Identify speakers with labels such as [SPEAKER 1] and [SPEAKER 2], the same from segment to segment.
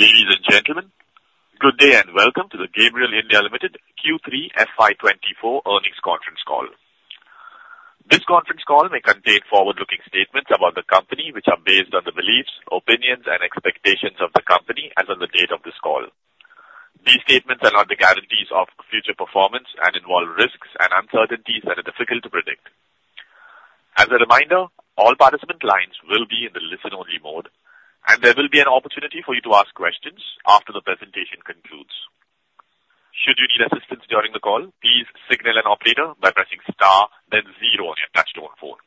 [SPEAKER 1] Ladies and gentlemen, good day, and welcome to the Gabriel India Limited Q3 FY 2024 earnings conference call. This conference call may contain forward-looking statements about the company, which are based on the beliefs, opinions, and expectations of the company as on the date of this call. These statements are not the guarantees of future performance and involve risks and uncertainties that are difficult to predict. As a reminder, all participant lines will be in the listen-only mode, and there will be an opportunity for you to ask questions after the presentation concludes. Should you need assistance during the call, please signal an operator by pressing star, then zero on your touch-tone phone.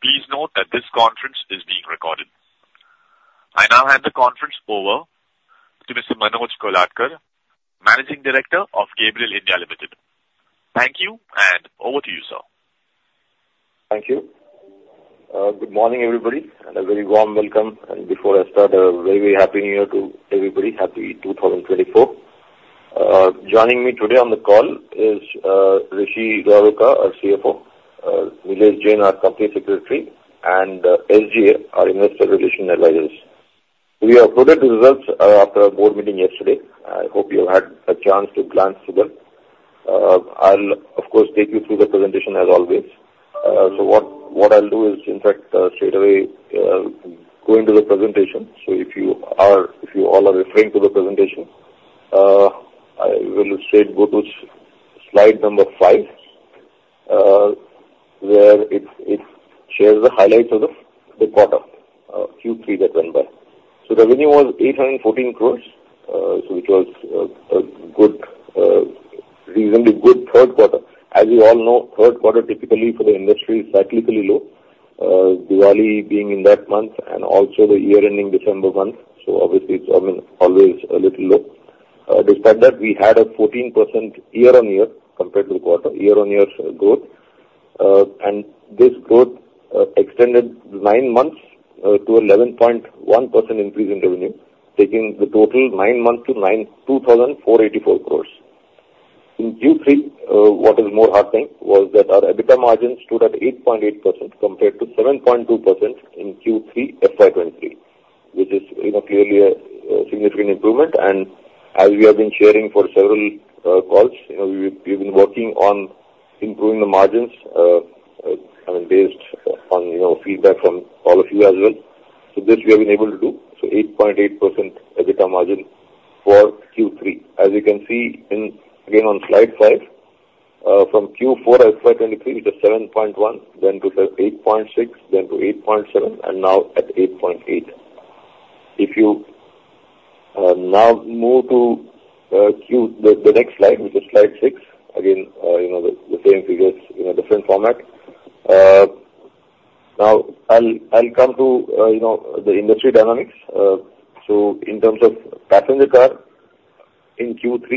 [SPEAKER 1] Please note that this conference is being recorded. I now hand the conference over to Mr. Manoj Kolhatkar, Managing Director of Gabriel India Limited. Thank you, and over to you, sir.
[SPEAKER 2] Thank you. Good morning, everybody, and a very warm welcome. Before I start, a very, very happy New Year to everybody. Happy 2024. Joining me today on the call is Rishi Luharuka, our CFO, Vijay Jain, our Company Secretary, and SGA, our Investor Relations advisors. We uploaded the results after our board meeting yesterday. I hope you had a chance to glance through them. I'll, of course, take you through the presentation as always. So what I'll do is, in fact, straightaway go into the presentation. So if you all are referring to the presentation, I will straight go to slide number five, where it shares the highlights of the quarter, Q3 that went by. So the revenue was 814 crore, so which was a good, reasonably good third quarter. As you all know, third quarter typically for the industry is cyclically low, Diwali being in that month and also the year-ending December month, so obviously, it's, I mean, always a little low. Despite that, we had a 14% year-on-year compared to the quarter, year-on-year growth. And this growth extended nine months to 11.1% increase in revenue, taking the total nine months to 2,484 crore. In Q3, what is more heartening was that our EBITDA margin stood at 8.8% compared to 7.2% in Q3 FY2023, which is, you know, clearly a significant improvement. And as we have been sharing for several calls, you know, we've been working on improving the margins, I mean, based on, you know, feedback from all of you as well. So this we have been able to do, so 8.8% EBITDA margin for Q3. As you can see in, again, on slide five, from Q4 FY 2023, it was 7.1, then to 8.6, then to 8.7, and now at 8.8. If you now move to the next slide, which is slide six, again, you know, the same figures in a different format. Now, I'll come to, you know, the industry dynamics. So in terms of passenger car, in Q3,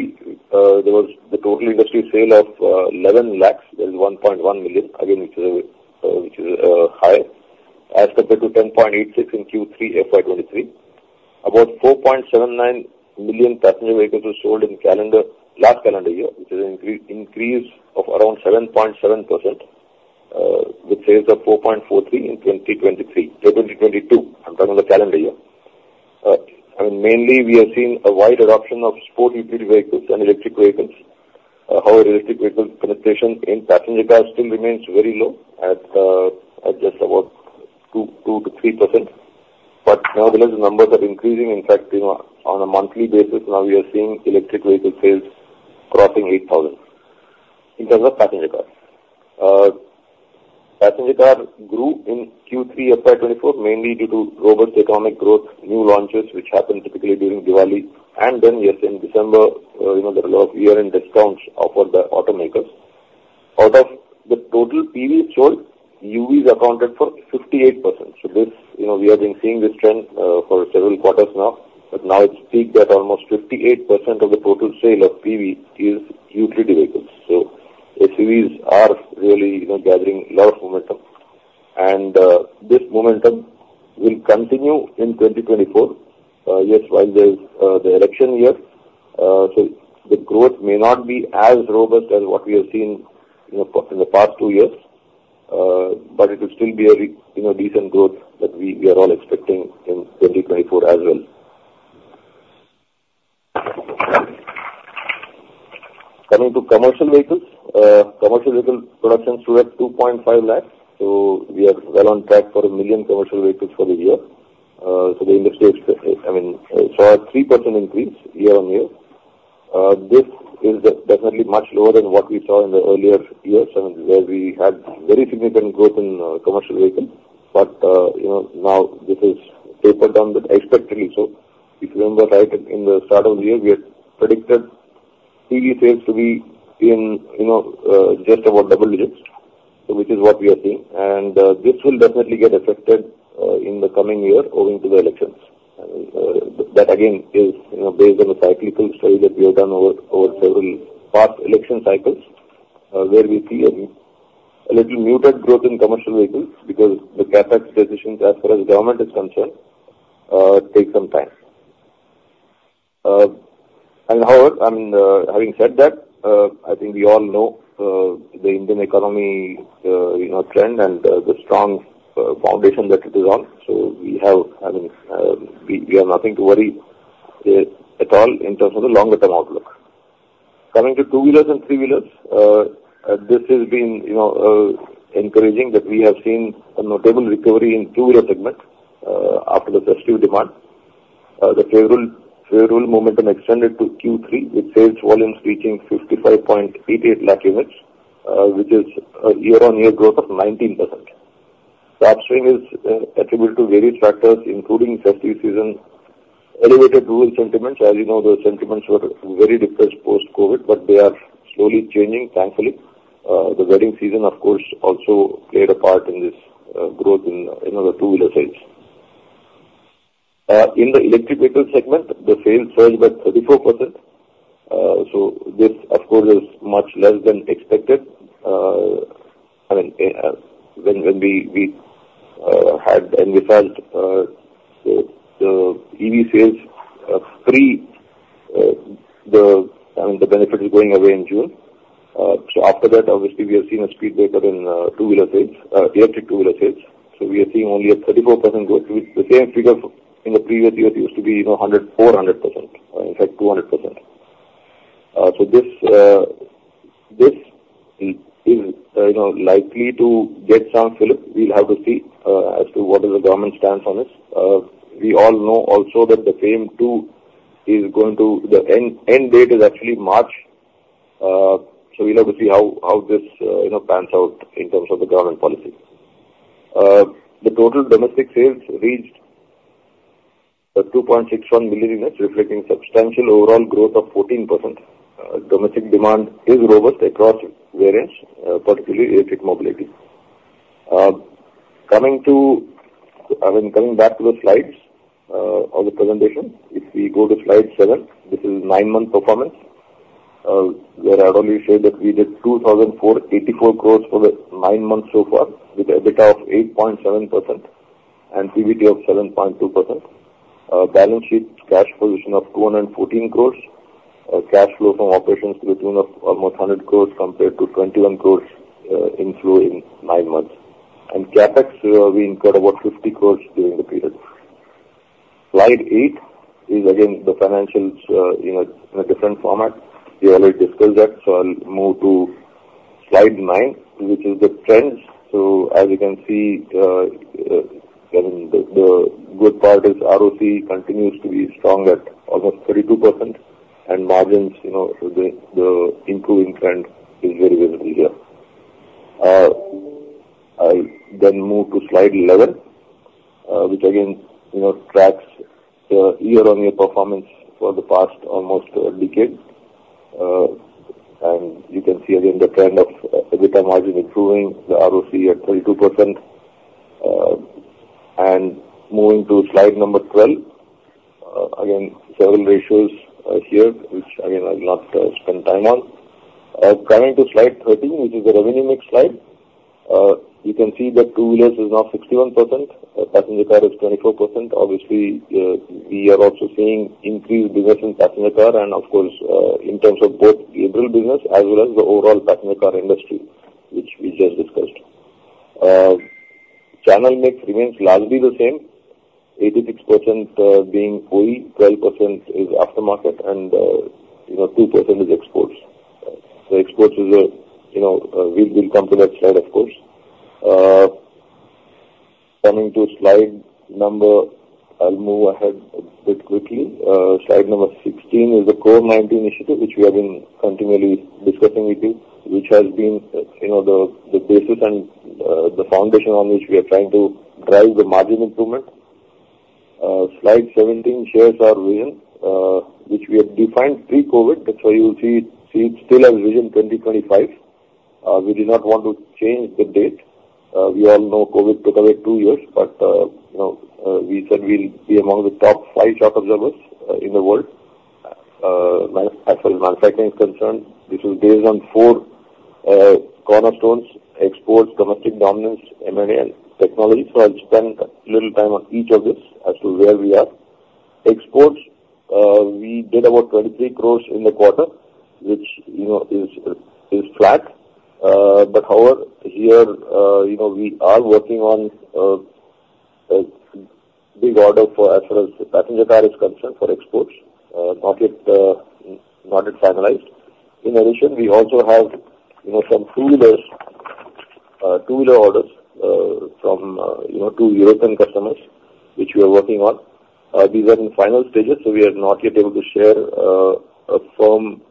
[SPEAKER 2] there was the total industry sale of 11 lakhs and 1.1 million, again, which is high as compared to 10.86 in Q3 FY 2023. About 4.79 million passenger vehicles were sold in calendar, last calendar year, which is an increase of around 7.7%, with sales of 4.43 in 2023, 2022. I'm talking about the calendar year. And mainly, we have seen a wide adoption of sport utility vehicles and electric vehicles. However, electric vehicles penetration in passenger cars still remains very low at just about 2%-3%. But nevertheless, the numbers are increasing. In fact, you know, on a monthly basis, now we are seeing electric vehicle sales crossing 8,000 in terms of passenger cars. Passenger car grew in Q3 FY 2024, mainly due to robust economic growth, new launches, which happen typically during Diwali, and then, yes, in December, you know, there are a lot of year-end discounts offered by automakers. Out of the total PV sold, UVs accounted for 58%. So this, you know, we have been seeing this trend, for several quarters now, but now it's peaked at almost 58% of the total sale of PV is utility vehicles. So SUVs are really, you know, gathering a lot of momentum. This momentum will continue in 2024. Yes, while there is the election year, so the growth may not be as robust as what we have seen, you know, in the past two years, but it will still be a, you know, decent growth that we, we are all expecting in 2024 as well. Coming to commercial vehicles. Commercial vehicle production stood at 250,000, so we are well on track for 1 million commercial vehicles for the year. So the industry, I mean, saw a 3% increase year-on-year. This is definitely much lower than what we saw in the earlier years, I mean, where we had very significant growth in commercial vehicles. But, you know, now this is tapered down expectantly. So if you remember right, in the start of the year, we had predicted CV sales to be in, you know, just about double digits, so which is what we are seeing. And, this will definitely get affected, in the coming year owing to the elections. That, again, is, you know, based on a cyclical study that we have done over several past election cycles, where we see a little muted growth in commercial vehicles because the CapEx decisions, as far as government is concerned, take some time.... And however, I mean, having said that, I think we all know, the Indian economy, you know, trend and, the strong, foundation that it is on. So we have, I mean, we, we have nothing to worry, at all in terms of the longer term outlook. Coming to two-wheelers and three-wheelers, this has been, you know, encouraging that we have seen a notable recovery in two-wheeler segment, after the festive demand. The favorable, favorable momentum extended to Q3, with sales volumes reaching 55.88 lakh units, which is a year-on-year growth of 19%. The upstream is, attributed to various factors, including festive season, elevated rural sentiments. As you know, the sentiments were very depressed post-COVID, but they are slowly changing, thankfully. The wedding season, of course, also played a part in this, growth in, you know, the two-wheeler sales. In the electric vehicle segment, the sales fell by 34%. So this, of course, is much less than expected. I mean, when we had and we felt the EV sales pre the benefit is going away in June. So after that, obviously, we have seen a speed breaker in two-wheeler sales, electric two-wheeler sales. So we are seeing only a 34% growth. The same figure in the previous year used to be, you know, 400%, or in fact, 200%. So this is, you know, likely to get some fillip. We'll have to see as to what is the government stance on this. We all know also that the FAME II is going to end. The end date is actually March. So we'll have to see how this, you know, pans out in terms of the government policy. The total domestic sales reached 2.61 million units, reflecting substantial overall growth of 14%. Domestic demand is robust across variants, particularly electric mobility. I mean, coming back to the slides of the presentation, if we go to Slide seven, this is nine-month performance, where I'd only say that we did 2,084 crores for the nine months so far, with a EBITDA of 8.7% and PBT of 7.2%. Our balance sheet cash position of 214 crores. Our cash flow from operations to the tune of almost 100 crores compared to 21 crores inflow in nine months. And CapEx we incurred about 50 crores during the period. Slide eight is again the financials in a different format. We already discussed that, so I'll move to slide nine, which is the trends. So as you can see, I mean, the good part is ROC continues to be strong at almost 32%, and margins, you know, the improving trend is very, very clear. I'll then move to slide 11, which again, you know, tracks the year-on-year performance for the past almost decade. And you can see again the trend of EBITDA margin improving, the ROC at 32%. And moving to slide number 12, again, several ratios here, which again, I'll not spend time on. Coming to slide 13, which is a revenue mix slide, you can see that two-wheelers is now 61%, passenger car is 24%. Obviously, we are also seeing increased business in passenger car, and of course, in terms of both April business as well as the overall passenger car industry, which we just discussed. Channel mix remains largely the same, 86% being OE, 12% is aftermarket, and, you know, 2% is exports. So exports is a, you know, we'll come to that slide, of course. Coming to slide number... I'll move ahead a bit quickly. Slide number 16 is the Core 90 initiative, which we have been continually discussing with you, which has been, you know, the basis and the foundation on which we are trying to drive the margin improvement. Slide 17 shares our vision, which we have defined pre-COVID. That's why you'll see it still as Vision 2025. We did not want to change the date. We all know COVID took away two years, but, you know, we said we'll be among the top five shock absorbers in the world. As far as manufacturing is concerned, this is based on four cornerstones: exports, domestic dominance, M&A, and technology. So I'll spend a little time on each of these as to where we are. Exports, we did about 23 crores in the quarter, which, you know, is flat. But however, here, you know, we are working on a big order for as far as the passenger car is concerned, for exports. Not yet finalized. In addition, we also have, you know, some two-wheeler orders from two European customers, which we are working on. These are in final stages, so we are not yet able to share a firm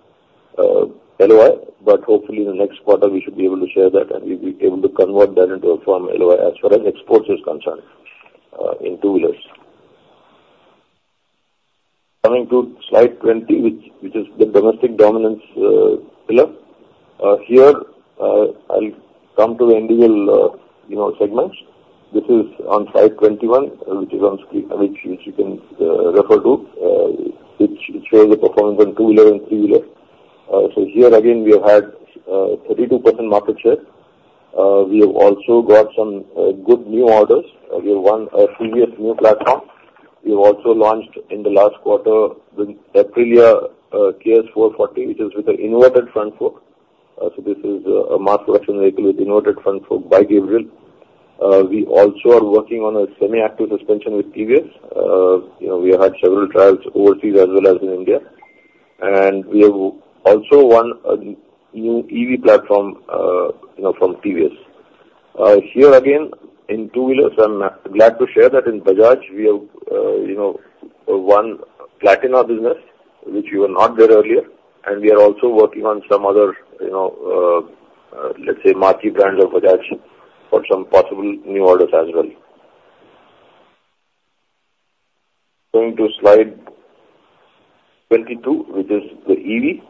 [SPEAKER 2] LOI, but hopefully in the next quarter we should be able to share that, and we'll be able to convert that into a firm LOI as far as exports is concerned in two-wheelers. Coming to slide 20, which is the domestic dominance pillar. Here, I'll come to the individual you know segments. This is on slide 21, which is on screen, which you can refer to, which shows the performance on two-wheeler and three-wheeler. So here again, we have had 32% market share. We have also got some good new orders. We have won a previous new platform. We've also launched in the last quarter, the Aprilia RS 440, which is with an inverted front fork. So this is a mass production vehicle with inverted front fork by Gabriel. We also are working on a semi-active suspension with TVS. You know, we have had several trials overseas as well as in India. And we have also won a new EV platform, you know, from TVS. Here, again, in two wheelers, I'm glad to share that in Bajaj, we have one Platina business, which we were not there earlier, and we are also working on some other, you know, let's say, marquee brands of Bajaj for some possible new orders as well. Going to slide 22, which is the EV.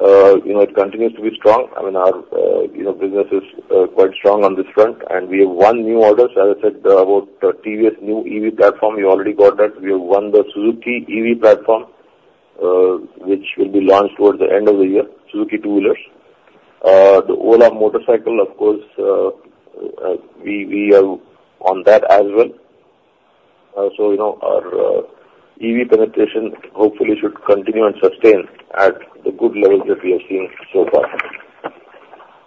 [SPEAKER 2] You know, it continues to be strong. I mean, our, you know, business is quite strong on this front, and we have won new orders. As I said, about the TVS new EV platform, we already got that. We have won the Suzuki EV platform, which will be launched towards the end of the year, Suzuki two wheelers. The Ola motorcycle, of course, we are on that as well. So, you know, our EV penetration hopefully should continue and sustain at the good levels that we have seen so far.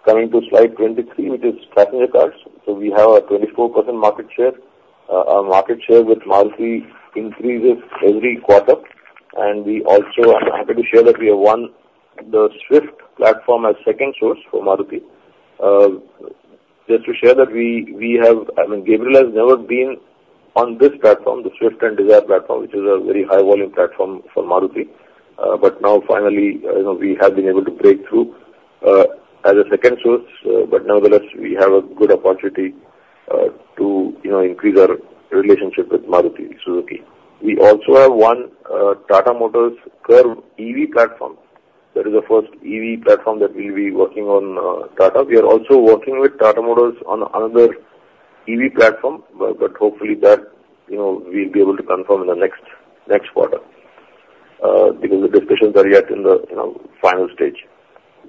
[SPEAKER 2] Coming to slide 23, which is passenger cars. So we have a 24% market share. Our market share with Maruti increases every quarter, and we also are happy to share that we have won the Swift platform as second source for Maruti. Just to share that I mean, Gabriel has never been on this platform, the Swift and Dzire platform, which is a very high volume platform for Maruti. But now finally, you know, we have been able to break through, as a second source, but nonetheless, we have a good opportunity, to, you know, increase our relationship with Maruti Suzuki. We also have won Tata Motors Curvv EV platform. That is the first EV platform that we'll be working on, Tata. We are also working with Tata Motors on another EV platform, but hopefully that, you know, we'll be able to confirm in the next quarter, because the discussions are yet in the, you know, final stage.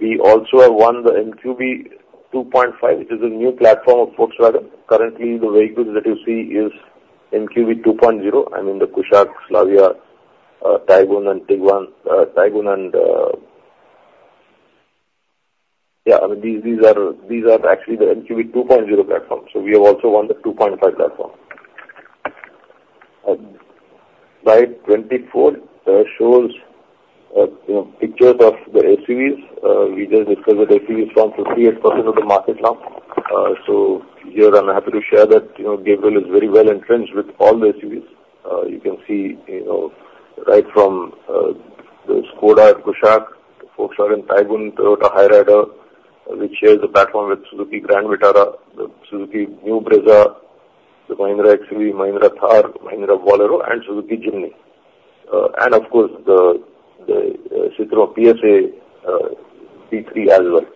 [SPEAKER 2] We also have won the MQB 2.5, which is a new platform of Volkswagen. Currently, the vehicles that you see is MQB 2.0, I mean, the Kushaq, Slavia, Taigun and Tiguan. Taigun and. Yeah, I mean, these, these are, these are actually the MQB 2.0 platform. So we have also won the 2.5 platform. Slide 24 shows, you know, pictures of the SUVs. We just discussed that SUVs come to 38% of the market now. So here I'm happy to share that, you know, Gabriel is very well entrenched with all the SUVs. You can see, you know, right from, the Škoda Kushaq to Volkswagen Taigun, Toyota Hyryder, which shares a platform with Suzuki Grand Vitara, the Suzuki new Brezza, the Mahindra XUV, Mahindra Thar, Mahindra Bolero and Suzuki Jimny. And, of course, the, the, Citroën PSA C3 as well.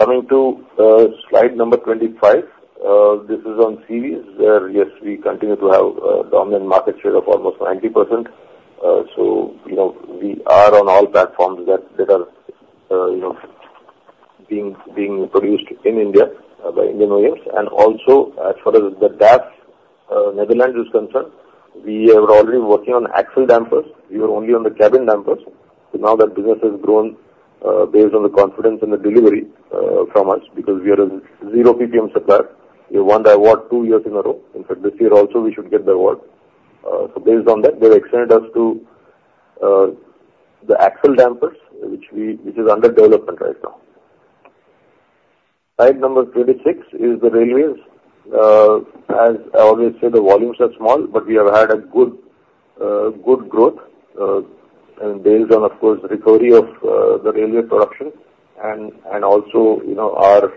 [SPEAKER 2] Coming to slide number 25. This is on CVs, where, yes, we continue to have a dominant market share of almost 90%. So, you know, we are on all platforms that are, you know, being produced in India by Indian OEMs. And also, as far as the DAF, Netherlands is concerned, we are already working on axle dampers. We were only on the cabin dampers. So now that business has grown, based on the confidence and the delivery from us, because we are a zero PPM supplier. We won the award two years in a row. In fact, this year also, we should get the award. So based on that, they've extended us to the axle dampers, which is under development right now. Slide number 26 is the railways. As I always say, the volumes are small, but we have had a good, good growth, and based on, of course, recovery of, the railway production and, also, you know, our,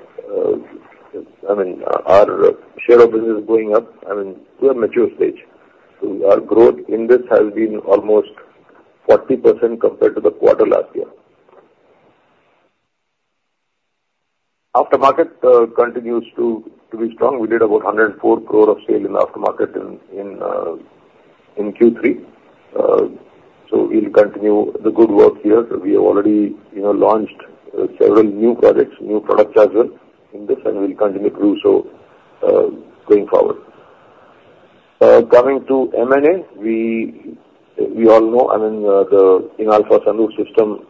[SPEAKER 2] I mean, our share of business is going up. I mean, we are mature stage. So our growth in this has been almost 40% compared to the quarter last year. Aftermarket continues to be strong. We did about 104 crore of sale in the aftermarket in Q3. So we'll continue the good work here. We have already, you know, launched several new projects, new products as well in this, and we'll continue to do so going forward. Coming to M&A, we all know, I mean, the Inalfa Roof Systems,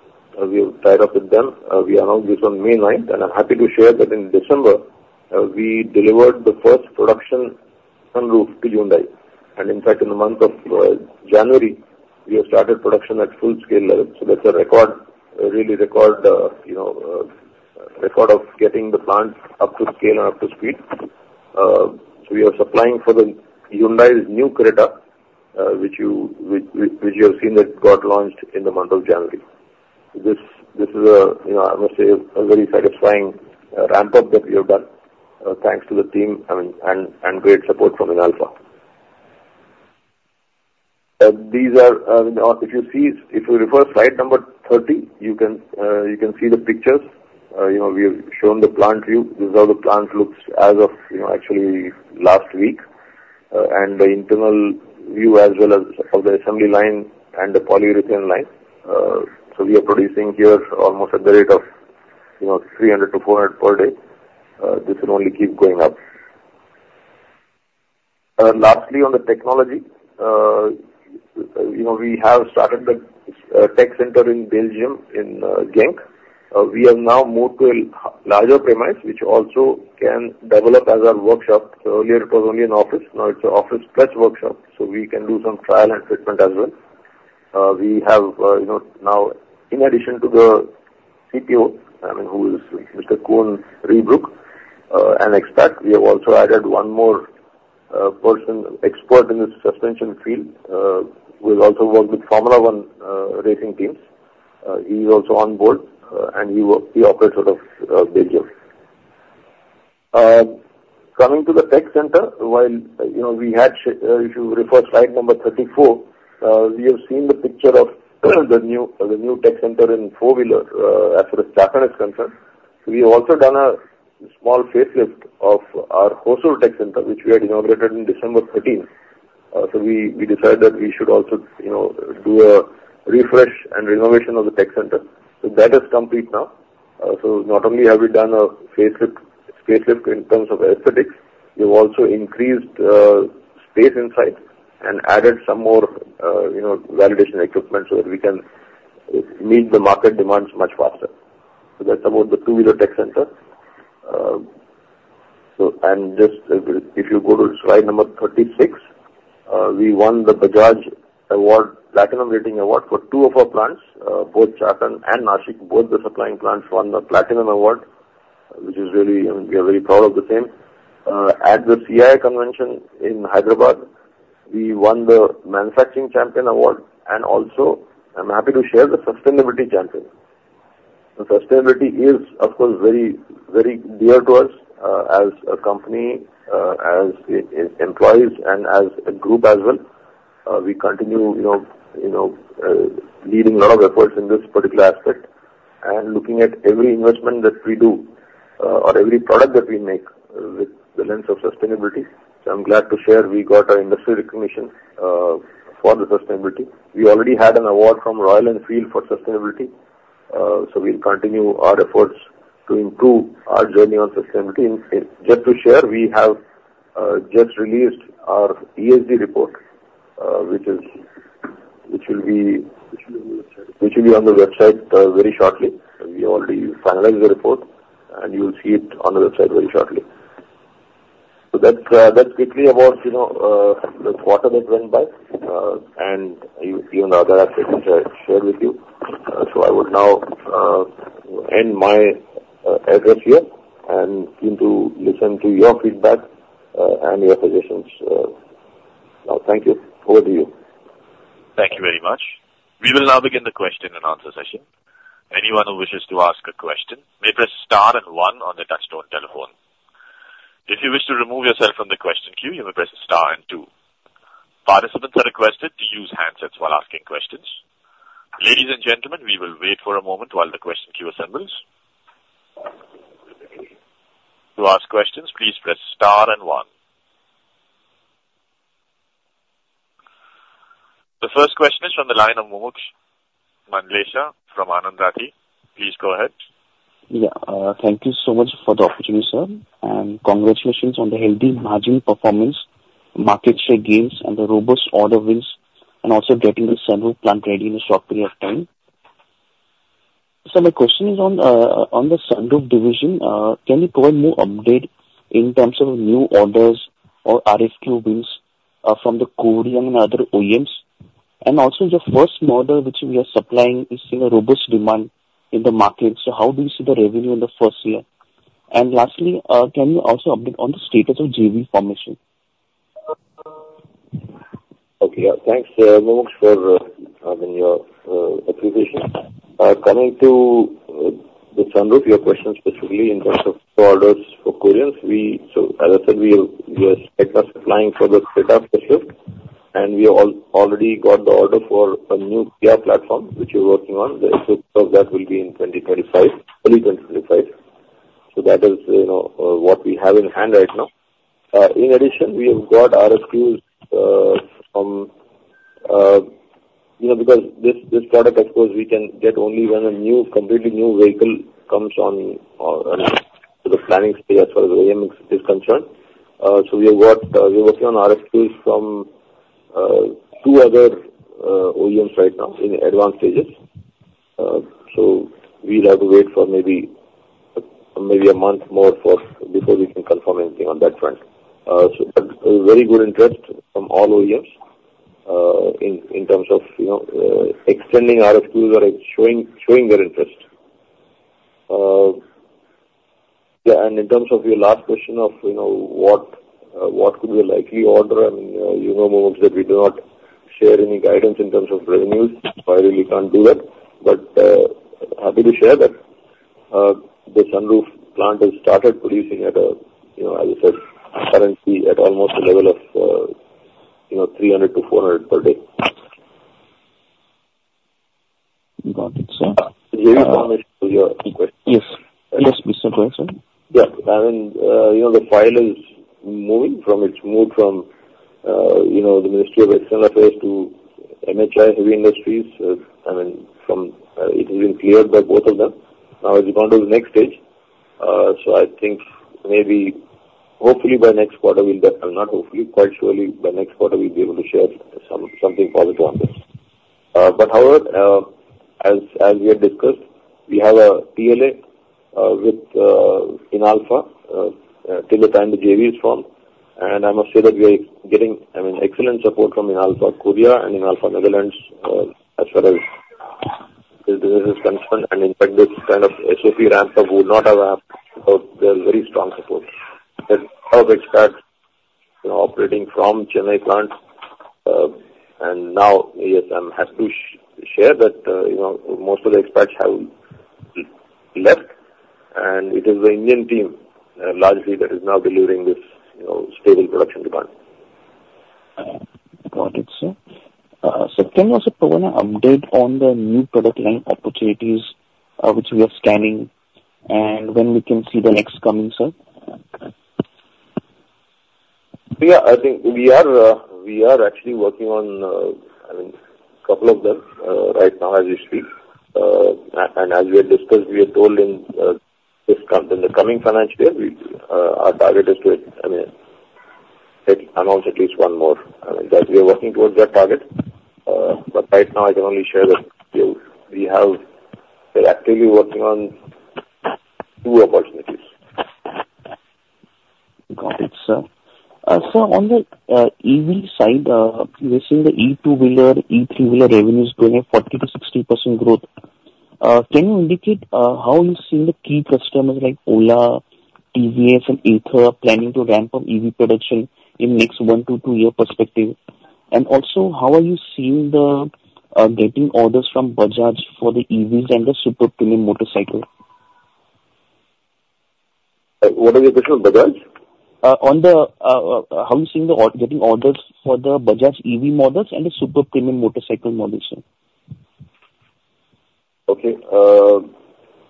[SPEAKER 2] we have tied up with them. We announced this on May 9, and I'm happy to share that in December, we delivered the first production sunroof to Hyundai. And in fact, in the month of January, we have started production at full scale level. So that's a record, really record, you know, record of getting the plant up to scale and up to speed. So we are supplying for the Hyundai's new Creta, which you have seen that got launched in the month of January. This is a, you know, I must say, a very satisfying ramp-up that we have done, thanks to the team, I mean, and great support from Inalfa. These are now, if you see, if you refer slide number 30, you can see the pictures. You know, we have shown the plant view. This is how the plant looks as of, you know, actually last week, and the internal view as well as of the assembly line and the polyurethane line. So we are producing here almost at the rate of, you know, 300-400 per day. This will only keep going up. Lastly, on the technology, you know, we have started the tech center in Belgium, in Genk. We have now moved to a larger premise, which also can develop as a workshop. So earlier it was only an office, now it's an office plus workshop, so we can do some trial and treatment as well. You know, now, in addition to the CO, I mean, who is Mr. Koen Reybrouck, an expert, we have also added one more person, expert in the suspension field, who has also worked with Formula One racing teams. He is also on board, and he operates out of Belgium. Coming to the tech center, while, you know, we had, if you refer slide number 34, we have seen the picture of the new, the new tech center in four-wheeler, as far as Chakan is concerned. We have also done a small facelift of our Hosur tech center, which we had inaugurated in December 13. So we decided that we should also, you know, do a refresh and renovation of the tech center. So that is complete now. So not only have we done a facelift in terms of aesthetics, we've also increased space inside and added some more, you know, validation equipment so that we can meet the market demands much faster. So that's about the two-wheeler tech center. And just if you go to slide number 36, we won the Bajaj Award, Platinum Rating Award, for two of our plants. Both Chakan and Nashik, both the supplying plants, won the Platinum Award, which is really... We are very proud of the same. At the CII convention in Hyderabad, we won the Manufacturing Champion Award, and also, I'm happy to share, the Sustainability Champion. So sustainability is, of course, very, very dear to us, as a company, as employees and as a group as well. We continue, you know, leading a lot of efforts in this particular aspect, and looking at every investment that we do, or every product that we make with the lens of sustainability. So I'm glad to share, we got our industry recognition for the sustainability. We already had an award from Royal Enfield for sustainability, so we'll continue our efforts to improve our journey on sustainability. Just to share, we have just released our ESG report, which will be on the website very shortly. We already finalized the report, and you'll see it on the website very shortly. So that's briefly about, you know, what has been went by, and a few other updates I shared with you. So I would now end my address here and keen to listen to your feedback and your suggestions. Now, thank you. Over to you.
[SPEAKER 1] Thank you very much. We will now begin the question and answer session. Anyone who wishes to ask a question, may press star and one on the touch-tone telephone. If you wish to remove yourself from the question queue, you may press star and two. Participants are requested to use handsets while asking questions. Ladies and gentlemen, we will wait for a moment while the question queue assembles. To ask questions, please press star and one. The first question is from the line of Mukul Mangalesh from Anand Rathi. Please go ahead.
[SPEAKER 3] Yeah, thank you so much for the opportunity, sir, and congratulations on the healthy margin performance, market share gains and the robust order wins, and also getting the sunroof plant ready in a short period of time. So my question is on, on the sunroof division. Can you provide more update in terms of new orders or RFQ wins, from the Korean and other OEMs? And also, the first model, which we are supplying, is seeing a robust demand in the market. So how do you see the revenue in the first year? And lastly, can you also update on the status of JV formation?
[SPEAKER 2] Okay. Yeah. Thanks, Mukul, for having your appreciation. Coming to the sunroof, your question specifically in terms of orders for Koreans, so as I said, we are supplying for the Seltos, and we have already got the order for a new Kia platform, which we're working on. The SOP of that will be in 2035, early 2035. So that is, you know, what we have in hand right now. In addition, we have got RFQs from. You know, because this product, of course, we can get only when a new, completely new vehicle comes on to the planning stage as far as the OEM is concerned. So we have got, we're working on RFQs from two other OEMs right now in the advanced stages. So we'll have to wait for maybe a month more before we can confirm anything on that front. But a very good interest from all OEMs in terms of, you know, extending RFQs or showing their interest. Yeah, and in terms of your last question of, you know, what could be a likely order, and, you know, Mukul, that we do not share any guidance in terms of revenues, so I really can't do that. But happy to share that the sunroof plant has started producing at a, you know, as I said, currently at almost a level of, you know, 300-400 per day....
[SPEAKER 3] Got it, sir.
[SPEAKER 2] Very foundational to your question.
[SPEAKER 3] Yes. Yes, Mr. Praveen, sir.
[SPEAKER 2] Yeah, I mean, you know, It's moved from, you know, the Ministry of External Affairs to MHI, Heavy Industries. I mean, it has been cleared by both of them. Now it's gone to the next stage. So I think maybe, hopefully by next quarter, we'll get, not hopefully, quite surely by next quarter, we'll be able to share something positive on this. But however, as we have discussed, we have a PLA with Inalfa till the time the JV is formed. And I must say that we are getting, I mean, excellent support from Inalfa Korea and Inalfa Netherlands as well as this business is concerned. And in fact, this kind of SOP ramp up would not have happened without their very strong support. All the experts, you know, operating from Chennai plant, and now ASM has to share that, you know, most of the experts have left, and it is the Indian team, largely, that is now delivering this, you know, stable production department.
[SPEAKER 3] Got it, sir. Second, also, Praveen, update on the new product line opportunities, which we are scanning and when we can see the next coming, sir?
[SPEAKER 2] Yeah, I think we are actually working on a couple of them right now as we speak. As we have discussed, we have told in this call, in the coming financial year, our target is to announce at least one more. I mean, that we are working towards that target, but right now I can only share that we're actively working on two opportunities.
[SPEAKER 3] Got it, sir. Sir, on the EV side, we've seen the E2 wheeler, E3 wheeler revenues growing at 40%-60% growth. Can you indicate how you're seeing the key customers like Ola, TVS and Ather planning to ramp up EV production in next 1-2 year perspective? And also, how are you seeing the getting orders from Bajaj for the EVs and the super premium motorcycle?
[SPEAKER 2] What is the question, Bajaj?
[SPEAKER 3] On the, how are you seeing the order getting for the Bajaj EV models and the super premium motorcycle models, sir?
[SPEAKER 2] Okay.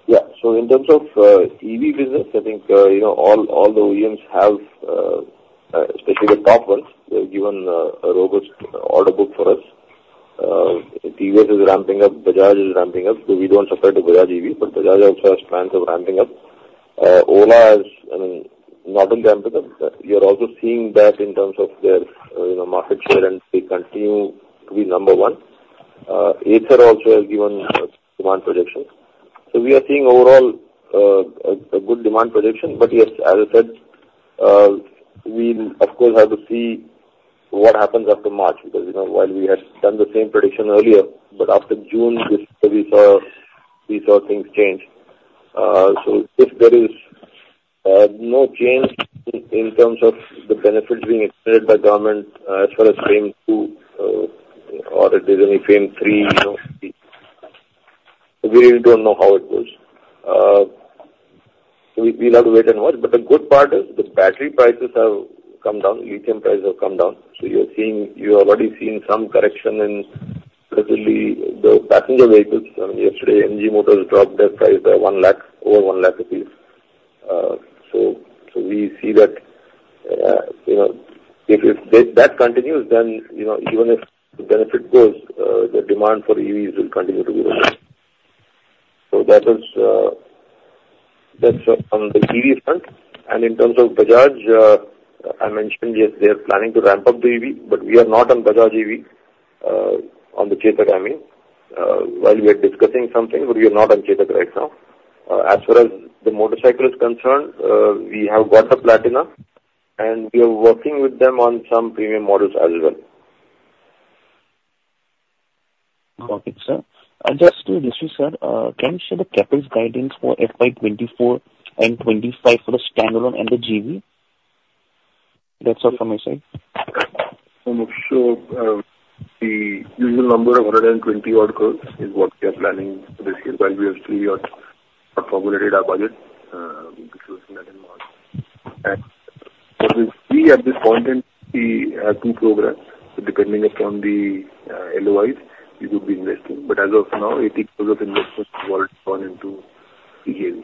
[SPEAKER 2] Yeah, so in terms of EV business, I think you know, all the OEMs have, especially the top ones, they've given a robust order book for us. TVS is ramping up, Bajaj is ramping up. So we don't supply to Bajaj EV, but Bajaj also has plans of ramping up. Ola has, I mean, not only ramping up, but we are also seeing that in terms of their you know, market share, and they continue to be number one. Ather also has given demand prediction. So we are seeing overall a good demand prediction. But yes, as I said, we'll of course have to see what happens after March, because you know, while we had done the same prediction earlier, but after June, this year, we saw things change. So if there is no change in terms of the benefits being extended by government, as far as FAME II, or if there's any FAME III, you know, we really don't know how it goes. We, we'll have to wait and watch. But the good part is the battery prices have come down, lithium prices have come down, so you're seeing... You've already seen some correction in recently, the passenger vehicles. I mean, yesterday, MG Motors dropped their price by 1 lakh, over 1 lakh rupees. So, so we see that, you know, if it, if that continues, then, you know, even if the benefit goes, the demand for EVs will continue to be right. So that is, that's on the EV front. In terms of Bajaj, I mentioned, yes, they are planning to ramp up the EV, but we are not on Bajaj EV on the Chetak, I mean. As far as the motorcycle is concerned, we have got a Platina, and we are working with them on some premium models as well.
[SPEAKER 3] Got it, sir. And just to this, sir, can you share the CapEx guidance for FY 24 and 25 for the standalone and the GV? That's all from my side.
[SPEAKER 2] I'm not sure. The usual number of 120-odd crores is what we are planning this year, but we have still not formulated our budget. We'll be closing that in March. And so we see at this point in the two programs, so depending upon the LOIs, we will be investing, but as of now, 80 crores of investment have already gone into the EV.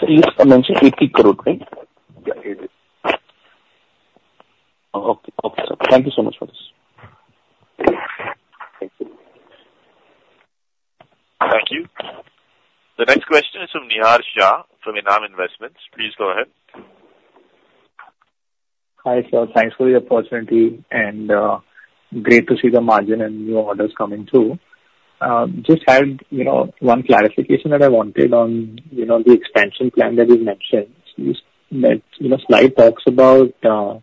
[SPEAKER 3] Sir, you mentioned INR 80 crore, right?
[SPEAKER 2] Yeah, eighty.
[SPEAKER 3] Okay. Okay, sir. Thank you so much for this.
[SPEAKER 2] Thank you.
[SPEAKER 1] Thank you. The next question is from Nihar Shah, from Enam Investments. Please go ahead.
[SPEAKER 4] Hi, sir, thanks for the opportunity, and, great to see the margin and new orders coming through. Just had, you know, one clarification that I wanted on, you know, the expansion plan that you've mentioned. This, that, you know, slide talks about, the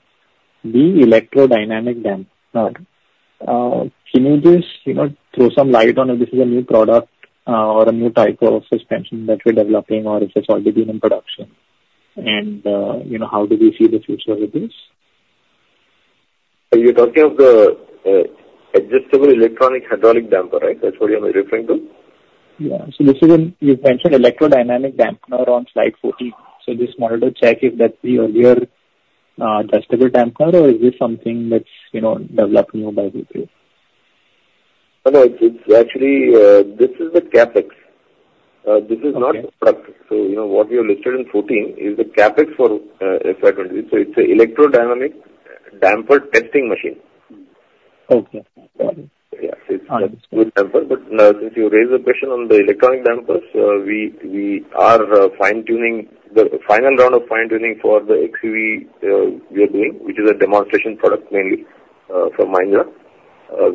[SPEAKER 4] electrodynamic damper. Can you just, you know, throw some light on if this is a new product, or a new type of suspension that we're developing or if it's already been in production? And, you know, how do we see the future with this?
[SPEAKER 2] Are you talking of the adjustable electronic hydraulic damper, right? That's what you are referring to?...
[SPEAKER 4] Yeah, so this is in, you've mentioned electrodynamic dampener on slide 14. So just wanted to check if that's the earlier, adjustable dampener, or is this something that's, you know, developed more by you two?
[SPEAKER 2] No, no, it's, it's actually, this is the CapEx. This is not the product.
[SPEAKER 4] Okay.
[SPEAKER 2] You know, what you have listed in 14 is the CapEx for FY 2020. So it's a electrodynamic damper testing machine.
[SPEAKER 4] Okay.
[SPEAKER 2] Yeah.
[SPEAKER 4] Understood.
[SPEAKER 2] But since you raised the question on the electronic dampers, we are fine-tuning the final round of fine-tuning for the XUV, which is a demonstration product mainly from Mahindra.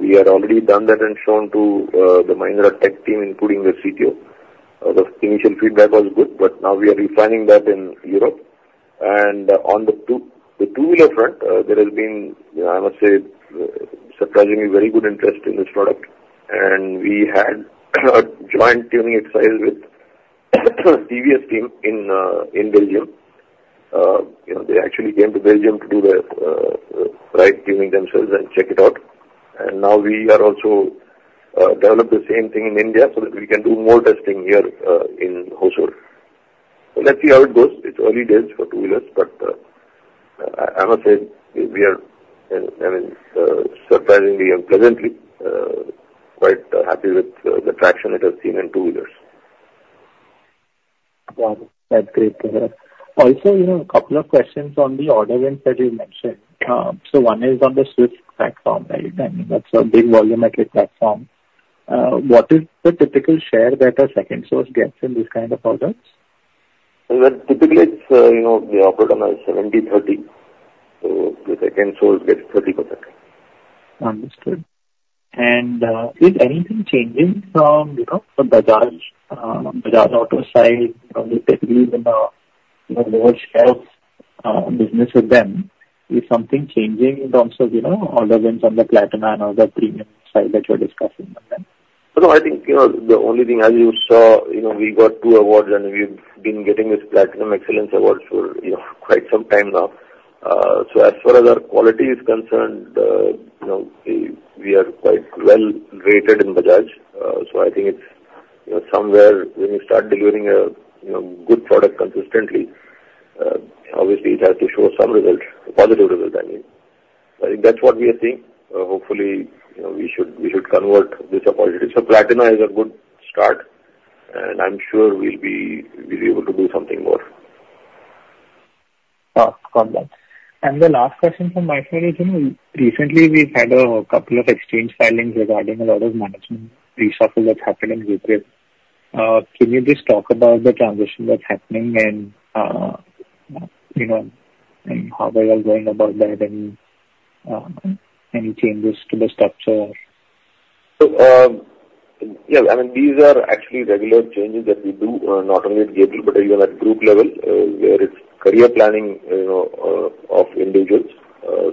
[SPEAKER 2] We had already done that and shown to the Mahindra tech team, including the CTO. The initial feedback was good, but now we are refining that in Europe. On the two-wheeler front, there has been, you know, I must say, surprisingly, very good interest in this product, and we had a joint tuning exercise with the TVS team in Belgium. You know, they actually came to Belgium to do the ride tuning themselves and check it out. Now we are also develop the same thing in India so that we can do more testing here in Hosur. So let's see how it goes. It's early days for two-wheelers, but I must say, we are, I mean, surprisingly and pleasantly quite happy with the traction it has seen in two-wheelers.
[SPEAKER 4] Wow, that's great to hear. Also, you know, a couple of questions on the order wins that you mentioned. So one is on the Swift platform, right? I mean, that's a big volumetric platform. What is the typical share that a second source gets in this kind of products?
[SPEAKER 2] Well, typically it's, you know, we operate on a 70/30, so the second source gets 30%.
[SPEAKER 4] Understood. And, is anything changing from, you know, from Bajaj, Bajaj Auto side, you know, they believe in a, you know, large shares, business with them? Is something changing in terms of, you know, order wins on the Platina and other premium side that you're discussing with them?
[SPEAKER 2] So I think, you know, the only thing, as you saw, you know, we got two awards, and we've been getting this Platina Excellence Awards for, you know, quite some time now. So as far as our quality is concerned, you know, we are quite well rated in Bajaj. So I think it's, you know, somewhere when you start delivering a, you know, good product consistently, obviously, it has to show some results, positive results, I mean. I think that's what we are seeing. Hopefully, you know, we should convert this opportunity. So Platina is a good start, and I'm sure we'll be able to do something more.
[SPEAKER 4] Got that. And the last question from my side is, you know, recently we've had a couple of exchange filings regarding a lot of management reshuffle that's happened in Gabriel. Can you just talk about the transition that's happening and, you know, and how we are going about that and, any changes to the structure?
[SPEAKER 2] So, yeah, I mean, these are actually regular changes that we do, not only at Gabriel, but even at group level, where it's career planning, you know, of individuals.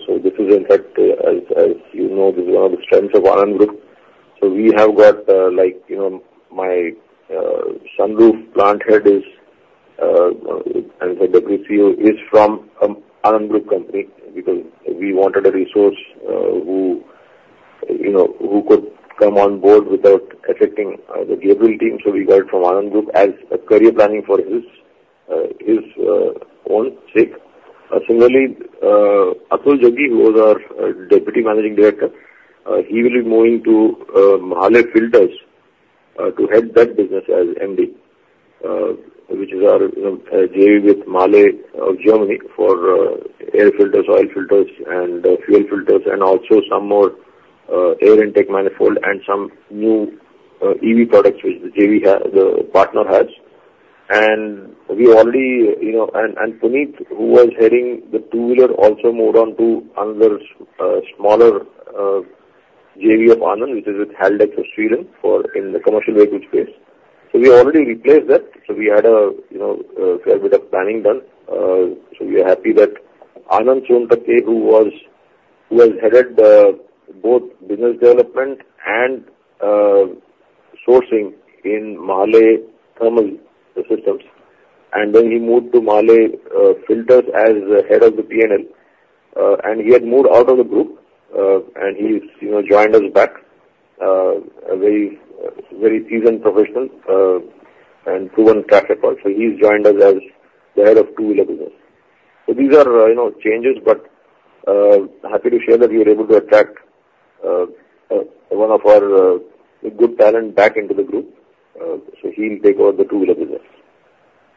[SPEAKER 2] So this is in fact, as you know, this is one of the strengths of ANAND Group. So we have got, like, you know, my sunroof plant head is, and the WCO is from ANAND Group company, because we wanted a resource, who, you know, who could come on board without affecting the Gabriel team. So we got it from ANAND Group as a career planning for his own sake. Similarly, Atul Jaggi, who was our Deputy Managing Director, he will be moving to Mahle Filters to head that business as MD, which is our, you know, JV with Mahle of Germany for air filters, oil filters, and fuel filters and also some more air intake manifold and some new EV products, which the JV has, the partner has. And we already, you know, and Puneet, who was heading the two-wheeler, also moved on to another smaller JV of Anand, which is with Haldex of Sweden for in the commercial vehicle space. So we already replaced that. So we had a, you know, fair bit of planning done. So we are happy that Anand Sontakke, who has headed both business development and sourcing in MAHLE Thermal Systems, and then he moved to MAHLE Filters as head of the PNL. And he had moved out of the group, and he's, you know, joined us back, a very, very seasoned professional, and proven track record. So he's joined us as the head of two-wheeler business. So these are, you know, changes, but happy to share that we are able to attract one of our good talent back into the group. So he'll take over the two-wheeler business.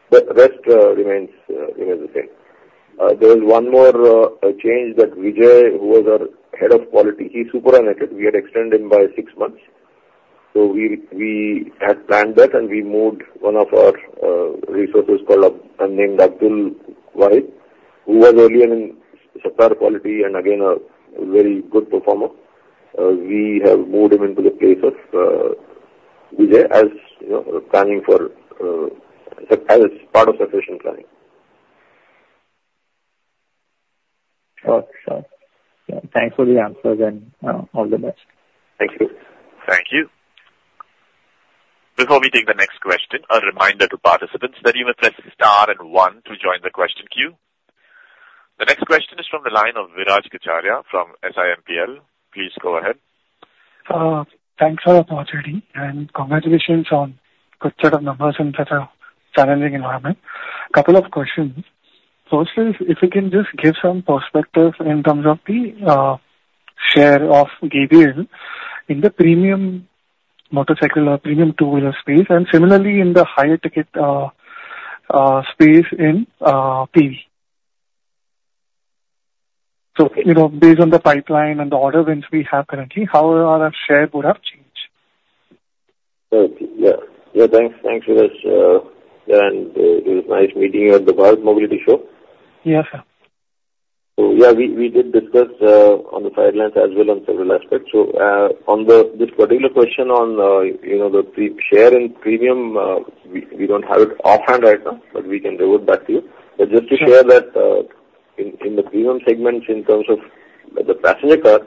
[SPEAKER 2] The rest remains the same. There is one more change, that Vijay, who was our head of quality, he superannuated. We had extended him by six months. So we had planned that, and we moved one of our resources called up named Abdul Wali, who was earlier in supplier quality and again, a very good performer. We have moved him into the place of Vijay, as you know, planning for as part of succession planning.
[SPEAKER 4] Got you. Thanks for the answers, and, all the best.
[SPEAKER 2] Thank you.
[SPEAKER 1] Thank you. Before we take the next question, a reminder to participants that you may press star and one to join the question queue. The next question is from the line of Viraj Kacharia from SIMPL. Please go ahead.
[SPEAKER 5] Thanks for the opportunity, and congratulations on good set of numbers in such a challenging environment. Couple of questions: firstly, if you can just give some perspective in terms of the share of Gabriel in the premium motorcycle or premium two-wheeler space, and similarly in the higher ticket space in PV. So, you know, based on the pipeline and the order wins we have currently, how our share would have changed?
[SPEAKER 2] Okay. Yeah. Yeah, thanks. Thanks, Viraj. It was nice meeting you at the World Mobility Show.
[SPEAKER 5] Yeah, sir.
[SPEAKER 2] So yeah, we, we did discuss on the sidelines as well on several aspects. On this particular question on, you know, the pre, share and premium, we, we don't have it offhand right now, but we can revert back to you. But just to share that, in, in the premium segments, in terms of the passenger car,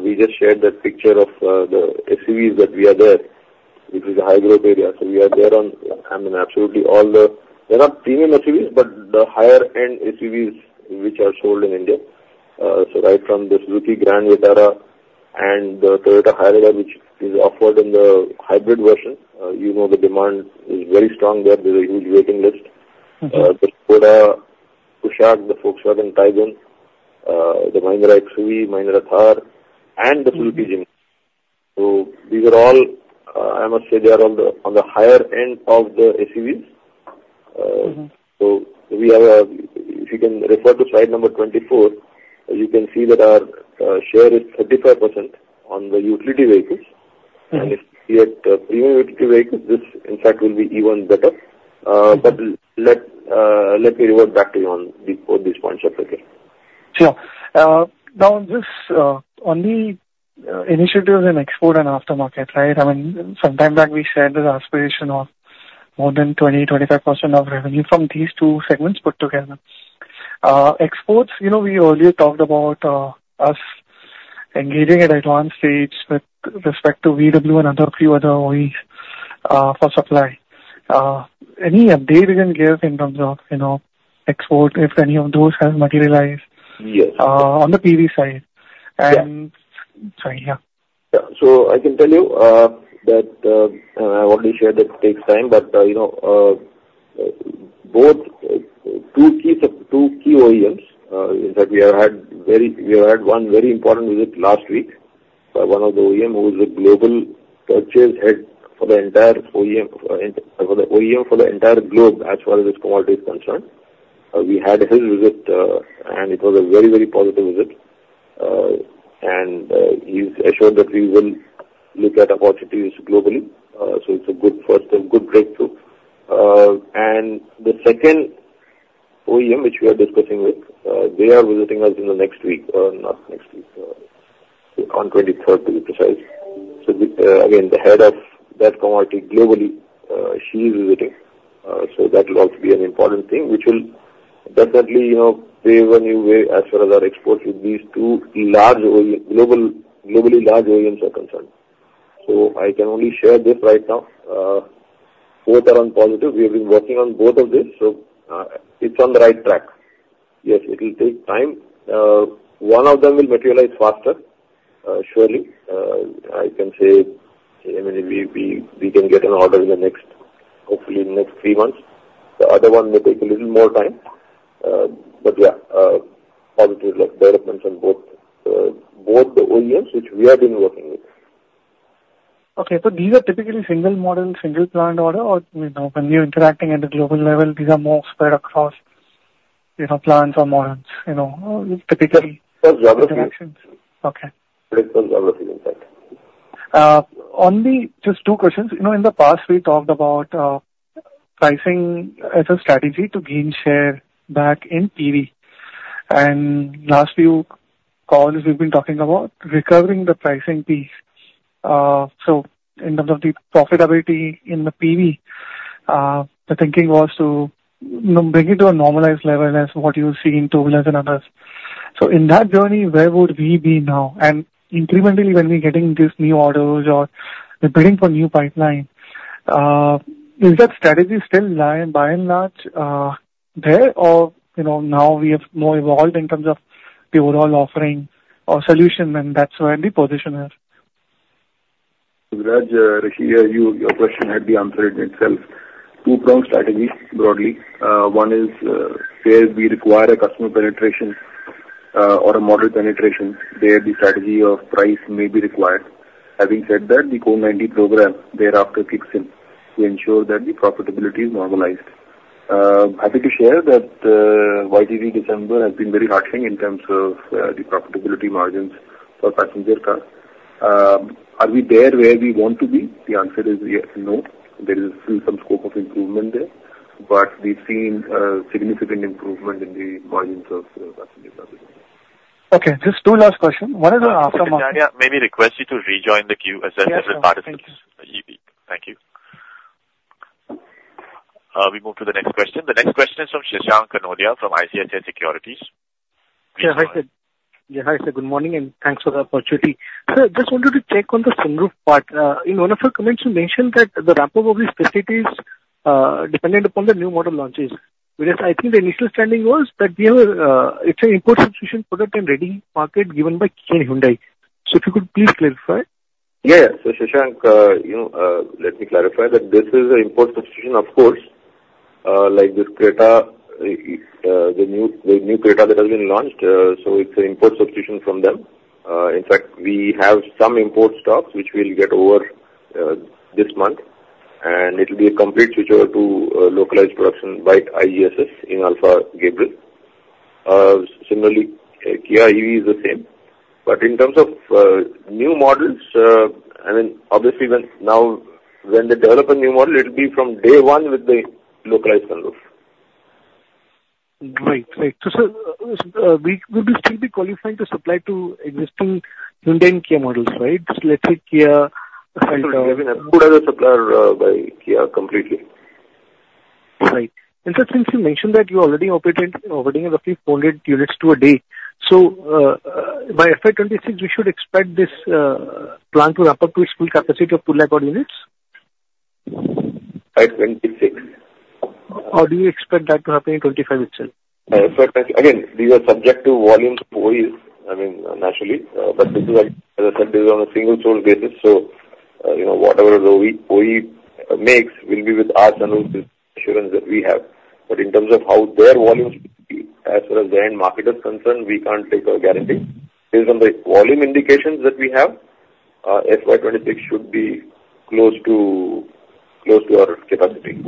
[SPEAKER 2] we just shared that picture of the SUVs that we are there, which is a high growth area. So we are there on, I mean, absolutely all the... They're not premium SUVs, but the higher end SUVs, which are sold in India. So right from the Suzuki Grand Vitara and the Toyota Hyryder, which is offered in the hybrid version, you know, the demand is very strong there. There's a huge waiting list.
[SPEAKER 5] Mm-hmm.
[SPEAKER 2] The Škoda Kushaq, the Volkswagen Taigun, the Mahindra XUV, Mahindra Thar, and the Suzuki Jimny. So these are all, I must say, they are on the, on the higher end of the SUVs.
[SPEAKER 5] Mm-hmm.
[SPEAKER 2] So, if you can refer to slide number 24, you can see that our share is 35% on the utility vehicles.
[SPEAKER 5] Mm.
[SPEAKER 2] And if we at premium utility vehicles, this in fact will be even better. But let me revert back to you on these points separately.
[SPEAKER 5] Sure. Now, just on the initiatives in export and aftermarket, right? I mean, some time back, we shared the aspiration of more than 20-25% of revenue from these two segments put together. Exports, you know, we earlier talked about us engaging at advanced stage with respect to VW and other few other OEs for supply. Any update you can give in terms of, you know, export, if any of those have materialized?
[SPEAKER 2] Yes.
[SPEAKER 5] on the PV side?
[SPEAKER 2] Yeah.
[SPEAKER 5] Sorry, yeah.
[SPEAKER 2] Yeah. So I can tell you that I've already shared that takes time, but you know both two key OEMs is that we have had one very important visit last week by one of the OEM who is a global purchase head for the entire OEM for the OEM for the entire globe as far as this commodity is concerned. We had his visit and it was a very very positive visit. And he's assured that we will look at opportunities globally. So it's a good first and good breakthrough. And the second OEM which we are discussing with they are visiting us in the next week or not next week on twenty-third to be precise. So the, again, the head of that committee globally, she's visiting. So that will also be an important thing, which will definitely, you know, pave a new way as far as our exports with these two large OE- global, globally large OEMs are concerned. So I can only share this right now. Both are on positive. We have been working on both of these, so, it's on the right track. Yes, it will take time. One of them will materialize faster, surely. I can say, I mean, we can get an order in the next, hopefully in the next three months. The other one may take a little more time, but yeah, positive developments on both, both the OEMs which we have been working with.
[SPEAKER 5] Okay. So these are typically single model, single planned order, or, you know, when you're interacting at a global level, these are more spread across, you know, plants or models, you know, typically-
[SPEAKER 2] For geography.
[SPEAKER 5] Okay.
[SPEAKER 2] Based on geography, in fact.
[SPEAKER 5] Just two questions. You know, in the past, we talked about, pricing as a strategy to gain share back in PV. And last few calls, we've been talking about recovering the pricing piece. So in terms of the profitability in the PV, the thinking was to, bring it to a normalized level as what you're seeing in two wheelers and others. So in that journey, where would we be now? And incrementally, when we're getting these new orders or building for new pipeline, is that strategy still lying, by and large, there, or, you know, now we have more evolved in terms of the overall offering or solution, and that's where the position is?
[SPEAKER 2] Viraj, Rishi, you, your question had the answer in itself. Two-prong strategy, broadly. One is, where we require a customer penetration, or a model penetration, there, the strategy of price may be required. Having said that, the Code Ninety program thereafter kicks in to ensure that the profitability is normalized. Happy to share that, YTD December has been very heartening in terms of, the profitability margins for passenger cars. Are we there where we want to be? The answer is yes, no. There is still some scope of improvement there, but we've seen a significant improvement in the margins of, passenger cars.
[SPEAKER 5] Okay, just two last questions. One is on aftermarket-
[SPEAKER 1] Viraj, may we request you to rejoin the queue as there are several participants?
[SPEAKER 5] Yeah, sure. Thank you.
[SPEAKER 1] Thank you. We move to the next question. The next question is from Shashank Kanodia, from ICICI Securities.
[SPEAKER 2] Yeah, hi, good-...
[SPEAKER 6] Yeah, hi, sir, good morning, and thanks for the opportunity. Sir, just wanted to check on the sunroof part. In one of your comments, you mentioned that the ramp-up of these facilities, dependent upon the new model launches. Because I think the initial standing was that we have a, it's an import substitution product and ready market given by Kia and Hyundai. So if you could please clarify.
[SPEAKER 2] Yeah, yeah. So, Shashank, you know, let me clarify that this is an import substitution, of course. Like this Creta, the new, the new Creta that has been launched, so it's an import substitution from them. In fact, we have some import stocks, which we'll get over, this month, and it'll be a complete switchover to, localized production by IGSS in Inalfa Gabriel. Similarly, Kia EV is the same. But in terms of, new models, I mean, obviously, when now-- when they develop a new model, it'll be from day one with the localized sunroof.
[SPEAKER 6] Right. Right. So, sir, we would we still be qualifying to supply to existing Hyundai and Kia models, right? Let's say Kia and,
[SPEAKER 2] We have been approved as a supplier by Kia completely.
[SPEAKER 6] Right. Sir, since you mentioned that you already operated an ordering of roughly 400 units a day, by FY 2026, we should expect this plant to ramp up to its full capacity of 200,000-odd units?
[SPEAKER 2] By 26?
[SPEAKER 6] Or do you expect that to happen in 25 itself?
[SPEAKER 2] Again, these are subject to volumes, OE, I mean, naturally, but this is, as I said, this is on a single source basis, so, you know, whatever the OE, OE makes will be with our sunroofs, the assurance that we have. But in terms of how their volumes as well as the end market is concerned, we can't take or guarantee. Based on the volume indications that we have, FY 2026 should be close to, close to our capacity.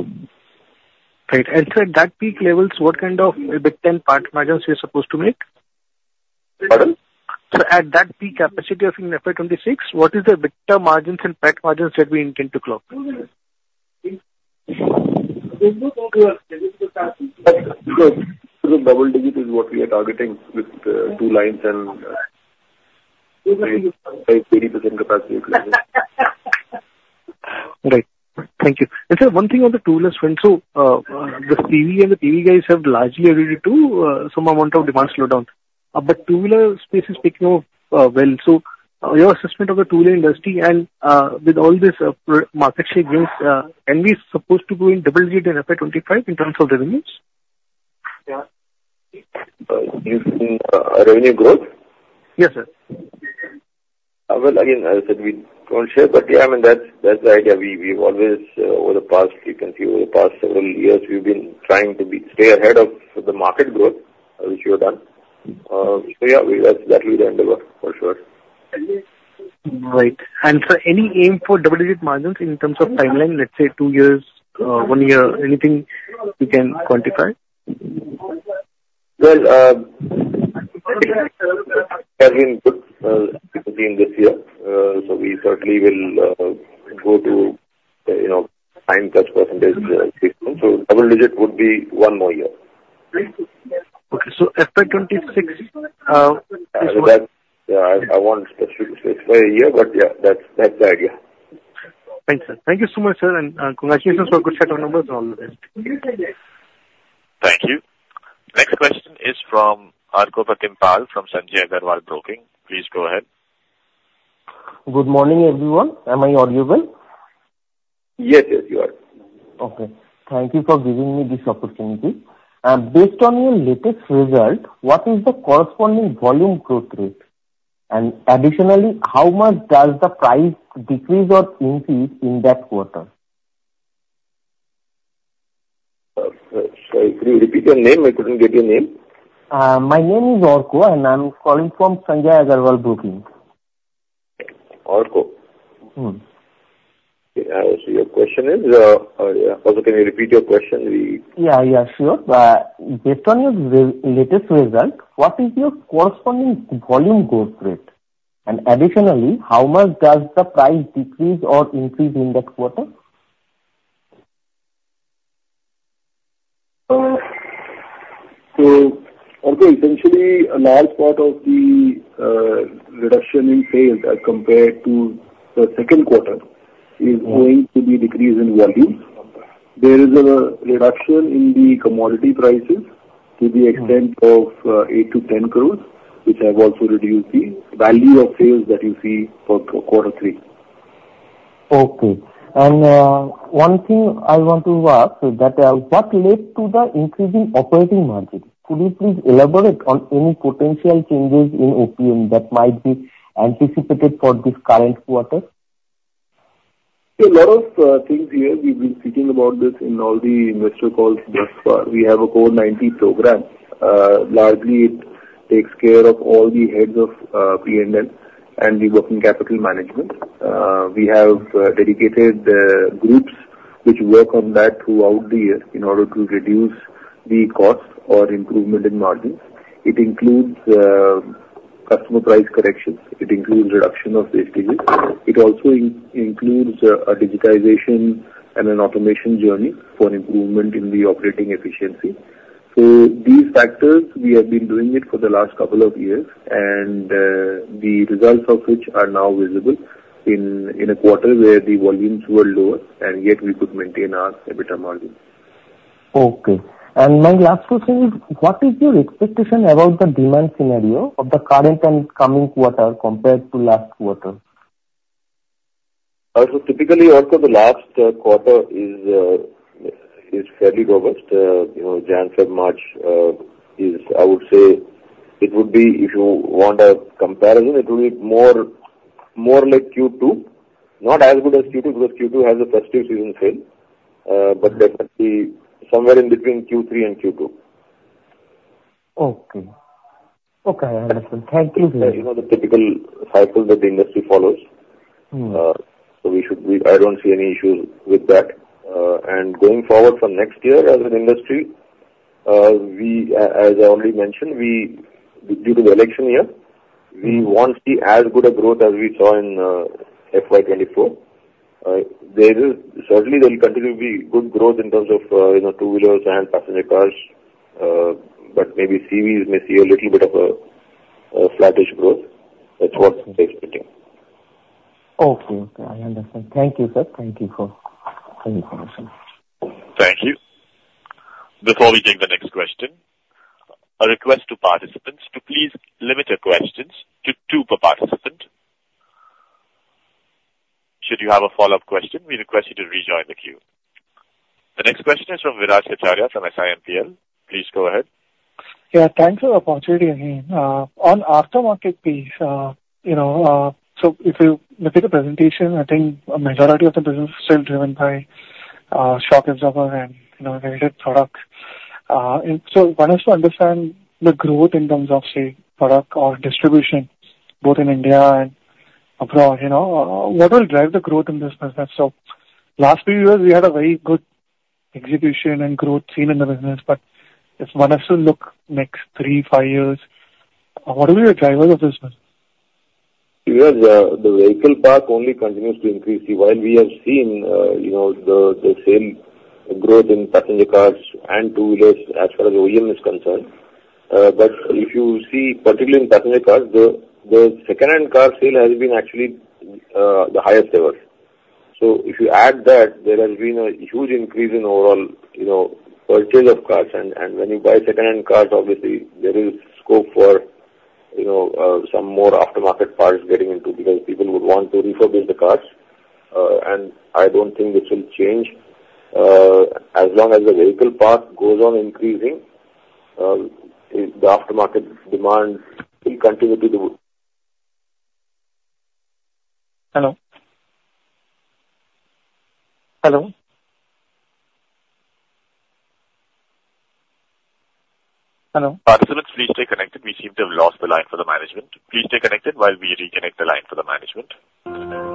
[SPEAKER 6] Right. And so at that peak levels, what kind of EBITDA margins you're supposed to make?
[SPEAKER 2] Pardon?
[SPEAKER 6] Sir, at that peak capacity of in FY 2026, what is the EBITDA margins and PAT margins that we intend to clock?
[SPEAKER 2] Good. So double digit is what we are targeting with two lines and 80% capacity.
[SPEAKER 6] Right. Thank you. And, sir, one thing on the two-wheeler front. So, the CV and the PV guys have largely agreed to some amount of demand slowdown. But two-wheeler space is picking up well. So, your assessment of the two-wheeler industry and, with all this, market share gains, can we supposed to go in double digit in FY 2025 in terms of revenues?
[SPEAKER 2] Yeah. You mean revenue growth?
[SPEAKER 6] Yes, sir.
[SPEAKER 2] Well, again, as I said, we don't share, but, yeah, I mean, that's, that's the idea. We've always, over the past frequency, over the past several years, we've been trying to be, stay ahead of the market growth, which we have done. So, yeah, we, that's exactly the endeavor, for sure.
[SPEAKER 6] Right. Sir, any aim for double-digit margins in terms of timeline, let's say two years, one year, anything you can quantify?
[SPEAKER 2] Well, has been good between this year. So we certainly will go to, you know, high single percentage. So double digit would be one more year.
[SPEAKER 6] Okay, so FY 26,
[SPEAKER 2] Yeah, I won't specifically say a year, but yeah, that's the idea.
[SPEAKER 6] Thanks, sir. Thank you so much, sir, and congratulations for good set of numbers. All the best.
[SPEAKER 2] Thank you.
[SPEAKER 1] Next question is from Arkapratim Pal from Sanjay Agarwal Broking. Please go ahead.
[SPEAKER 7] Good morning, everyone. Am I audible?
[SPEAKER 2] Yes, yes, you are.
[SPEAKER 7] Okay. Thank you for giving me this opportunity. Based on your latest result, what is the corresponding volume growth rate? And additionally, how much does the price decrease or increase in that quarter?
[SPEAKER 2] Sir, could you repeat your name? I couldn't get your name.
[SPEAKER 7] My name is Arko, and I'm calling from Sanjay Aggarwal Broking.
[SPEAKER 2] Arko?
[SPEAKER 7] Mm-hmm.
[SPEAKER 2] Okay, so your question is... Also, can you repeat your question please?
[SPEAKER 7] Yeah, yeah, sure. Based on your latest result, what is your corresponding volume growth rate? And additionally, how much does the price decrease or increase in that quarter?
[SPEAKER 2] So okay, essentially, a large part of the reduction in sales as compared to the second quarter is going to be decrease in volumes. There is a reduction in the commodity prices to the extent of 8 crores-10 crores, which have also reduced the value of sales that you see for quarter three.
[SPEAKER 7] Okay. One thing I want to ask, so that, what led to the increase in operating margins? Could you please elaborate on any potential changes in OPM that might be anticipated for this current quarter?
[SPEAKER 2] So a lot of things here. We've been speaking about this in all the investor calls thus far. We have a Core 90 program. Largely, it takes care of all the heads of P&L and the working capital management. We have dedicated groups which work on that throughout the year in order to reduce the costs or improvement in margins. It includes customer price corrections. It includes reduction of wastages. It also includes a digitization and an automation journey for improvement in the operating efficiency. So these factors, we have been doing it for the last couple of years, and the results of which are now visible in a quarter where the volumes were lower, and yet we could maintain our EBITDA margins....
[SPEAKER 7] Okay. My last question is, what is your expectation about the demand scenario of the current and coming quarter compared to last quarter?
[SPEAKER 2] So typically, also the last quarter is fairly robust. You know, January, March, is, I would say it would be if you want a comparison, it would be more, more like Q2. Not as good as Q2, because Q2 has a festive season sale, but definitely somewhere in between Q3 and Q2.
[SPEAKER 7] Okay. Okay, I understand. Thank you.
[SPEAKER 2] You know the typical cycle that the industry follows.
[SPEAKER 7] Mm-hmm.
[SPEAKER 2] So we should, we, I don't see any issues with that. And going forward from next year as an industry, as I already mentioned, due to the election year, we won't see as good a growth as we saw in FY 2024. There certainly will continue to be good growth in terms of, you know, two-wheelers and passenger cars, but maybe CVs may see a little bit of a flattish growth. That's what they're expecting.
[SPEAKER 7] Okay. Okay, I understand. Thank you, sir. Thank you for the information.
[SPEAKER 1] Thank you. Before we take the next question, a request to participants to please limit your questions to two per participant. Should you have a follow-up question, we request you to rejoin the queue. The next question is from Viraj Kecharia from SIMPL. Please go ahead.
[SPEAKER 5] Yeah, thanks for the opportunity again. On aftermarket piece, you know, so if you look at the presentation, I think a majority of the business is still driven by, shock absorber and, you know, related products. And so one has to understand the growth in terms of, say, product or distribution, both in India and abroad, you know. What will drive the growth in this business? So last few years, we had a very good execution and growth seen in the business, but if one has to look next three, five years, what will be the drivers of business?
[SPEAKER 2] Because the vehicle park only continues to increase. While we have seen, you know, the sale growth in passenger cars and two-wheelers as far as OEM is concerned, but if you see, particularly in passenger cars, the second-hand car sale has been actually the highest ever. So if you add that, there has been a huge increase in overall, you know, purchase of cars, and when you buy second-hand cars, obviously there is scope for, you know, some more aftermarket parts getting into because people would want to refurbish the cars. And I don't think this will change. As long as the vehicle park goes on increasing, the aftermarket demand will continue to do-
[SPEAKER 5] Hello? Hello? Hello.
[SPEAKER 1] Participants, please stay connected. We seem to have lost the line for the management. Please stay connected while we reconnect the line for the management. Participants,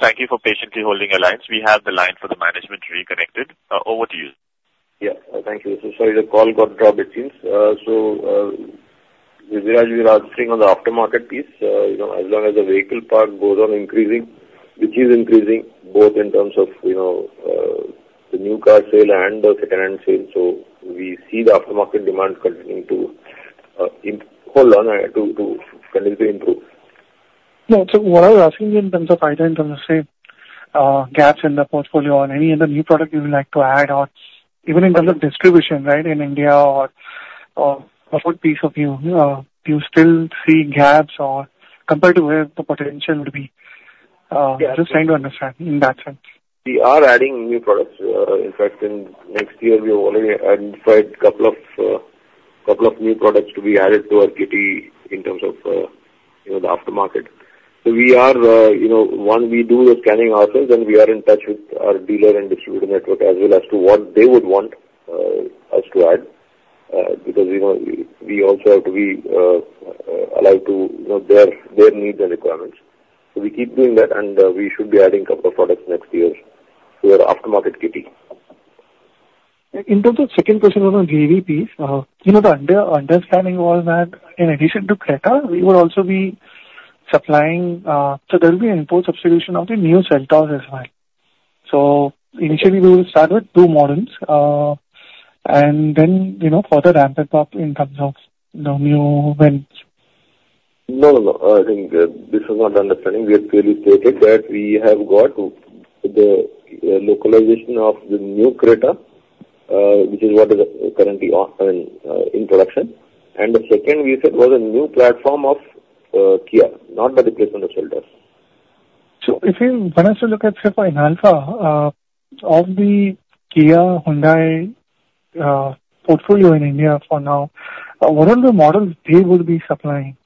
[SPEAKER 1] thank you for patiently holding your lines. We have the line for the management reconnected. Over to you.
[SPEAKER 2] Yeah. Thank you. Sorry, the call got dropped, it seems. So, Viraj, we are seeing on the aftermarket piece, you know, as long as the vehicle park goes on increasing, which is increasing both in terms of, you know, the new car sale and the second-hand sale. So we see the aftermarket demand continuing to continue to improve.
[SPEAKER 5] No, so what I was asking you in terms of either in terms of, say, gaps in the portfolio or any other new product you would like to add, or even in terms of distribution, right, in India or, what piece of you, do you still see gaps or compared to where the potential would be?
[SPEAKER 2] Yeah.
[SPEAKER 5] just trying to understand in that sense.
[SPEAKER 2] We are adding new products. In fact, in next year, we have already identified a couple of, couple of new products to be added to our kitty in terms of, you know, the aftermarket. So we are, you know, one, we do a scanning ourselves, and we are in touch with our dealer and distributor network as well as to what they would want, us to add. Because, you know, we, we also have to be, allow to, you know, their, their needs and requirements. So we keep doing that, and, we should be adding a couple of products next year to our aftermarket kitty.
[SPEAKER 5] In terms of second question on the JV piece, you know, the understanding was that in addition to Creta, we would also be supplying. So there will be import substitution of the new Seltos as well. So initially, we will start with two models, and then, you know, further ramp it up in terms of the new variants.
[SPEAKER 2] No, no, no. I think, this is not the understanding. We have clearly stated that we have got the, localization of the new Creta, which is what is currently on, in production. And the second we said was a new platform of, Kia, not the replacement of Seltos....
[SPEAKER 5] So if you want us to look at just for of the Kia, Hyundai portfolio in India for now, what are the models they would be supplying?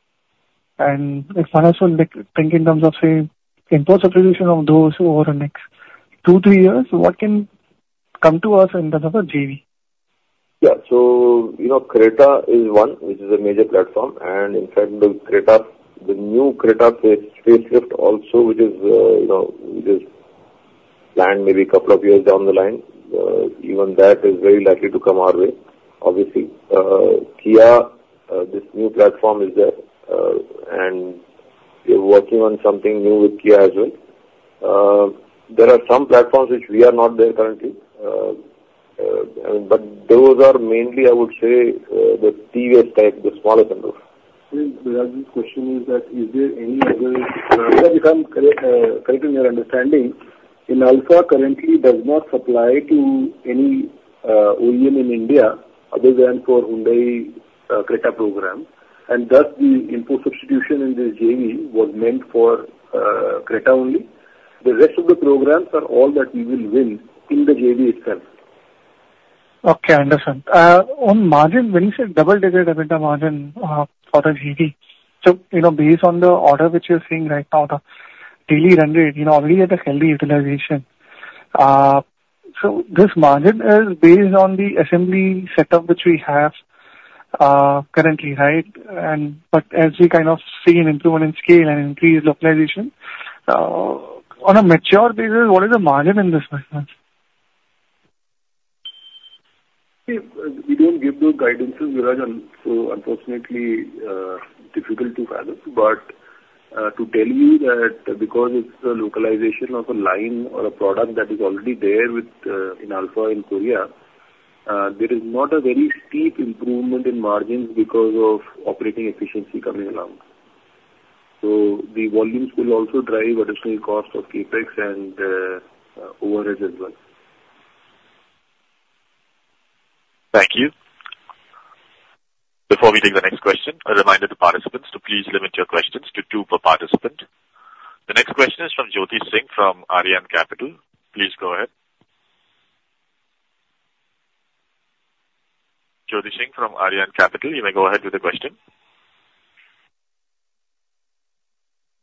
[SPEAKER 5] And if one also like think in terms of, say, import substitution of those over the next two to three years, what can come to us in terms of a JV?
[SPEAKER 2] Yeah. So, you know, Creta is one, which is a major platform, and in fact, the Creta, the new Creta facelift also, which is, you know, which is planned maybe a couple of years down the line, even that is very likely to come our way, obviously. Kia, this new platform is there, and we're working on something new with Kia as well. There are some platforms which we are not there currently, but those are mainly, I would say, the previous type, the smaller sunroof.
[SPEAKER 8] Sir, Viraj's question is—correct me, correcting your understanding, Inalfa currently does not supply to any OEM in India other than for Hyundai Creta program, and thus the import substitution in the JV was meant for Creta only. The rest of the programs are all that we will win in the JV itself.
[SPEAKER 5] Okay, I understand. On margin, when you said double digit EBITDA margin, for the JV, so, you know, based on the order which you're seeing right now, the daily run rate, you know, already at a healthy utilization. So this margin is based on the assembly setup which we have, currently, right? And but as we kind of see an improvement in scale and increased localization, on a mature basis, what is the margin in this business?
[SPEAKER 2] We don't give those guidances, Viraj, and so unfortunately, difficult to fathom. But, to tell you that because it's the localization of a line or a product that is already there with Inalfa in Korea, there is not a very steep improvement in margins because of operating efficiency coming along. So the volumes will also drive additional cost of CapEx and, overheads as well.
[SPEAKER 1] Thank you. Before we take the next question, a reminder to participants to please limit your questions to two per participant. The next question is from Jyoti Singh, from Arihant Capital. Please go ahead. Jyoti Singh from Arihant Capital, you may go ahead with the question.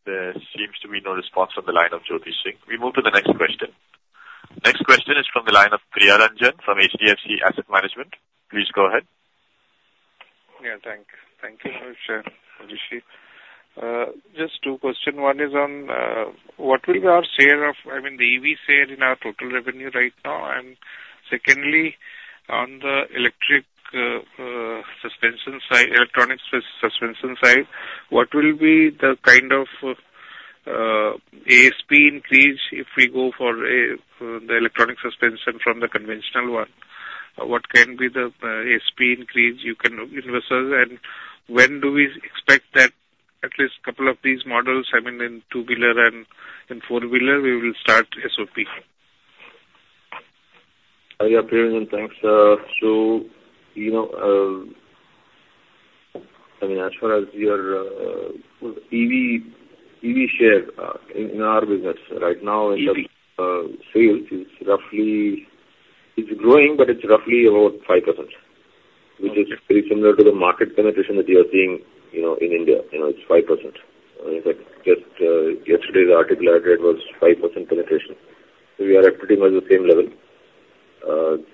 [SPEAKER 1] There seems to be no response from the line of Jyoti Singh. We move to the next question. Next question is from the line of Priyaranjan from HDFC Asset Management. Please go ahead.
[SPEAKER 9] Yeah, thank you, sir, Rishi. Just two question. One is on, what will be our share of, I mean, the EV share in our total revenue right now? And secondly, on the electric, suspension side, electronic suspension side, what will be the kind of, ASP increase if we go for a, the electronic suspension from the conventional one? What can be the, ASP increase you can invest in? And when do we expect that at least a couple of these models, I mean, in two-wheeler and in four-wheeler, we will start SOP?
[SPEAKER 2] Hiya, Priyanjan, thanks. So, you know, I mean, as far as your EV, EV share in our business right now-
[SPEAKER 9] EV.
[SPEAKER 2] In terms of sales, is roughly... It's growing, but it's roughly about 5%, which is pretty similar to the market penetration that you are seeing, you know, in India. You know, it's 5%. I mean, like, just yesterday, the article I read was 5% penetration. So we are at pretty much the same level.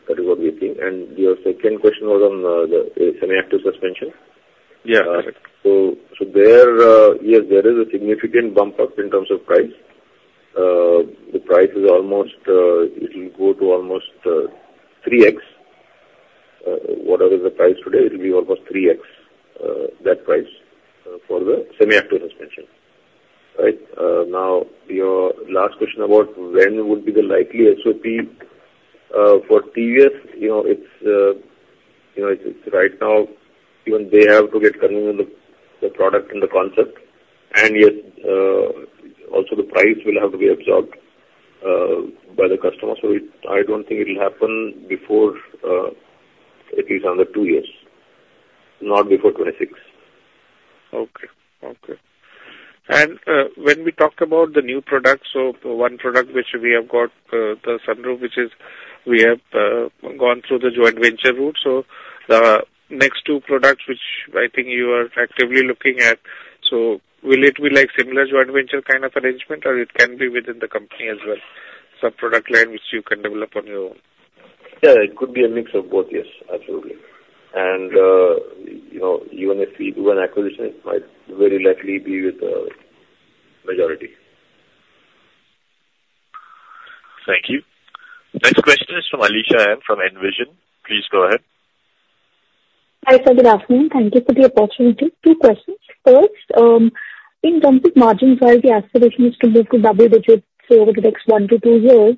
[SPEAKER 2] That is what we are seeing. And your second question was on the semi-active suspension?
[SPEAKER 9] Yeah.
[SPEAKER 2] So there is a significant bump up in terms of price. The price is almost, it will go to almost, 3x. Whatever is the price today, it will be almost 3x, that price, for the semi-active suspension. Right? Now, your last question about when would be the likely SOP, for TVS, you know, it's, it's right now, even they have to get comfortable with the, the product and the concept, and yet, also the price will have to be absorbed, by the customer. So it... I don't think it will happen before, at least another two years, not before 2026.
[SPEAKER 9] Okay. Okay. And when we talk about the new products, so one product which we have got, the sunroof, which is we have gone through the joint venture route. So the next two products, which I think you are actively looking at, so will it be like similar joint venture kind of arrangement, or it can be within the company as well, some product line which you can develop on your own?
[SPEAKER 2] Yeah, it could be a mix of both. Yes, absolutely. You know, even if we do an acquisition, it might very likely be with majority.
[SPEAKER 1] Thank you. Next question is from Alisha Mahawla from Envision. Please go ahead.
[SPEAKER 10] Hi, sir. Good afternoon. Thank you for the opportunity. Two questions. First, in terms of margin guide, the aspiration is to move to double digits, say, over the next one to two years.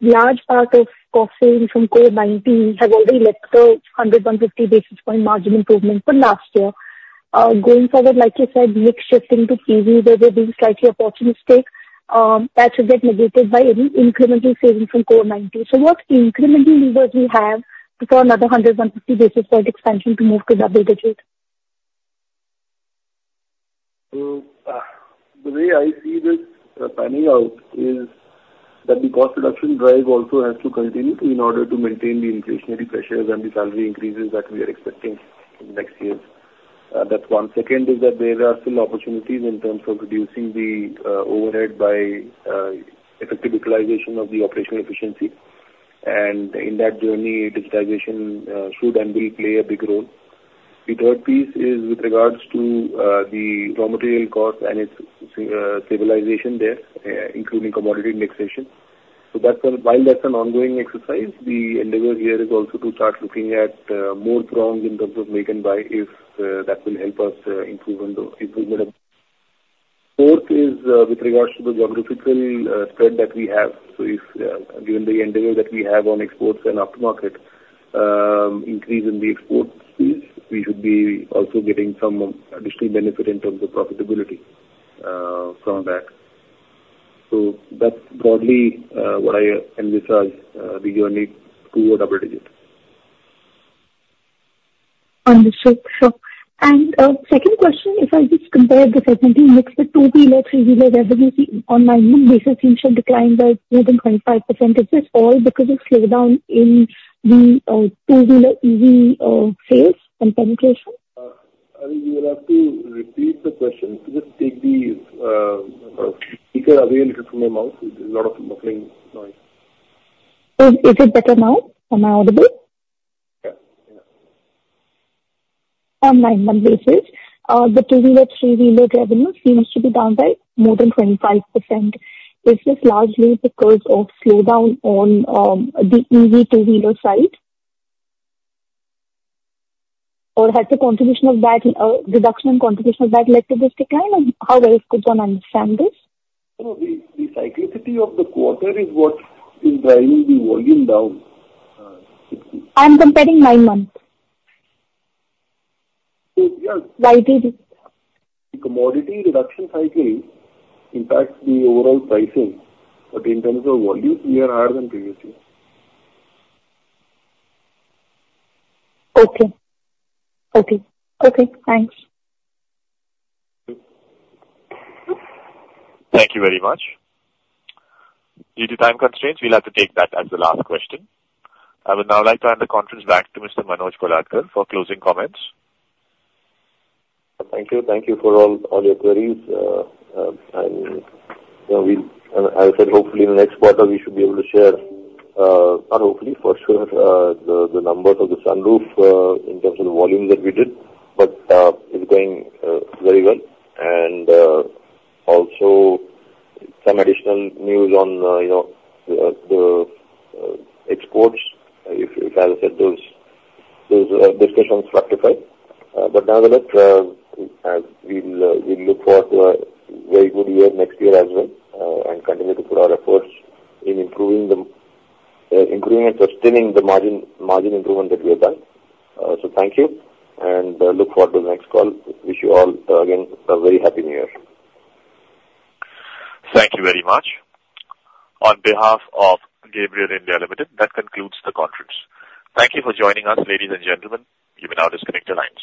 [SPEAKER 10] Large part of costing from COVID-19 have already left the P&L, 100-150 basis point margin improvement for last year. Going forward, like you said, mix shifting to UV, where we're being slightly opportunistic, that should get negated by any incremental savings from COVID-19. So what incremental levers we have for another 100-150 basis point expansion to move to double digits?...
[SPEAKER 2] So, the way I see this panning out is that the cost reduction drive also has to continue in order to maintain the inflationary pressures and the salary increases that we are expecting in next years. That's one. Second is that there are still opportunities in terms of reducing the overhead by effective utilization of the operational efficiency. And in that journey, digitization should and will play a big role. The third piece is with regards to the raw material cost and its stabilization there, including commodity indexation. So that's an ongoing exercise. While that's an ongoing exercise, the endeavor here is also to start looking at more prongs in terms of make and buy, if that will help us improve on the improvement. Fourth is with regards to the geographical spread that we have. So if, given the endeavor that we have on exports and aftermarket, increase in the export piece, we should be also getting some additional benefit in terms of profitability from that. So that's broadly what I envisage, the journey to a double-digit.
[SPEAKER 10] Understood. So, second question, if I just compare the second team next to two-wheeler, three-wheeler revenue on nine-month basis, it should decline by more than 25%. Is this all because of slowdown in the two-wheeler EV sales and penetration?
[SPEAKER 2] I think you will have to repeat the question. Just take the speaker away little from your mouth. There's a lot of muffling noise.
[SPEAKER 10] Is it better now? Am I audible?
[SPEAKER 2] Yeah. Yeah.
[SPEAKER 10] On nine months basis, the two-wheeler, three-wheeler revenue seems to be down by more than 25%. Is this largely because of slowdown on, the EV two-wheeler side? Or has the contribution of that, reduction in contribution of that led to this decline, and how else could one understand this?
[SPEAKER 2] No, the cyclicity of the quarter is what is driving the volume down.
[SPEAKER 10] I'm comparing nine months.
[SPEAKER 2] So, yeah.
[SPEAKER 10] YTD.
[SPEAKER 2] The commodity reduction cycle impacts the overall pricing, but in terms of volume, we are higher than previous year.
[SPEAKER 10] Okay. Okay. Okay, thanks.
[SPEAKER 1] Thank you very much. Due to time constraints, we'll have to take that as the last question. I would now like to hand the conference back to Mr. Manoj Kolhatkar for closing comments.
[SPEAKER 2] Thank you. Thank you for all, all your queries. And, you know, we, and as I said, hopefully, in the next quarter, we should be able to share, not hopefully, for sure, the numbers of the sunroof, in terms of the volume that we did, but, it's going, very well. And, also some additional news on, you know, the exports. If, as I said, those discussions fructify. But nonetheless, as we'll, we look forward to a very good year next year as well, and continue to put our efforts in improving the, improving and sustaining the margin, margin improvement that we have done. So thank you, and, look forward to the next call. Wish you all, again, a very Happy New Year.
[SPEAKER 1] Thank you very much. On behalf of Gabriel India Limited, that concludes the conference. Thank you for joining us, ladies and gentlemen. You may now disconnect your lines.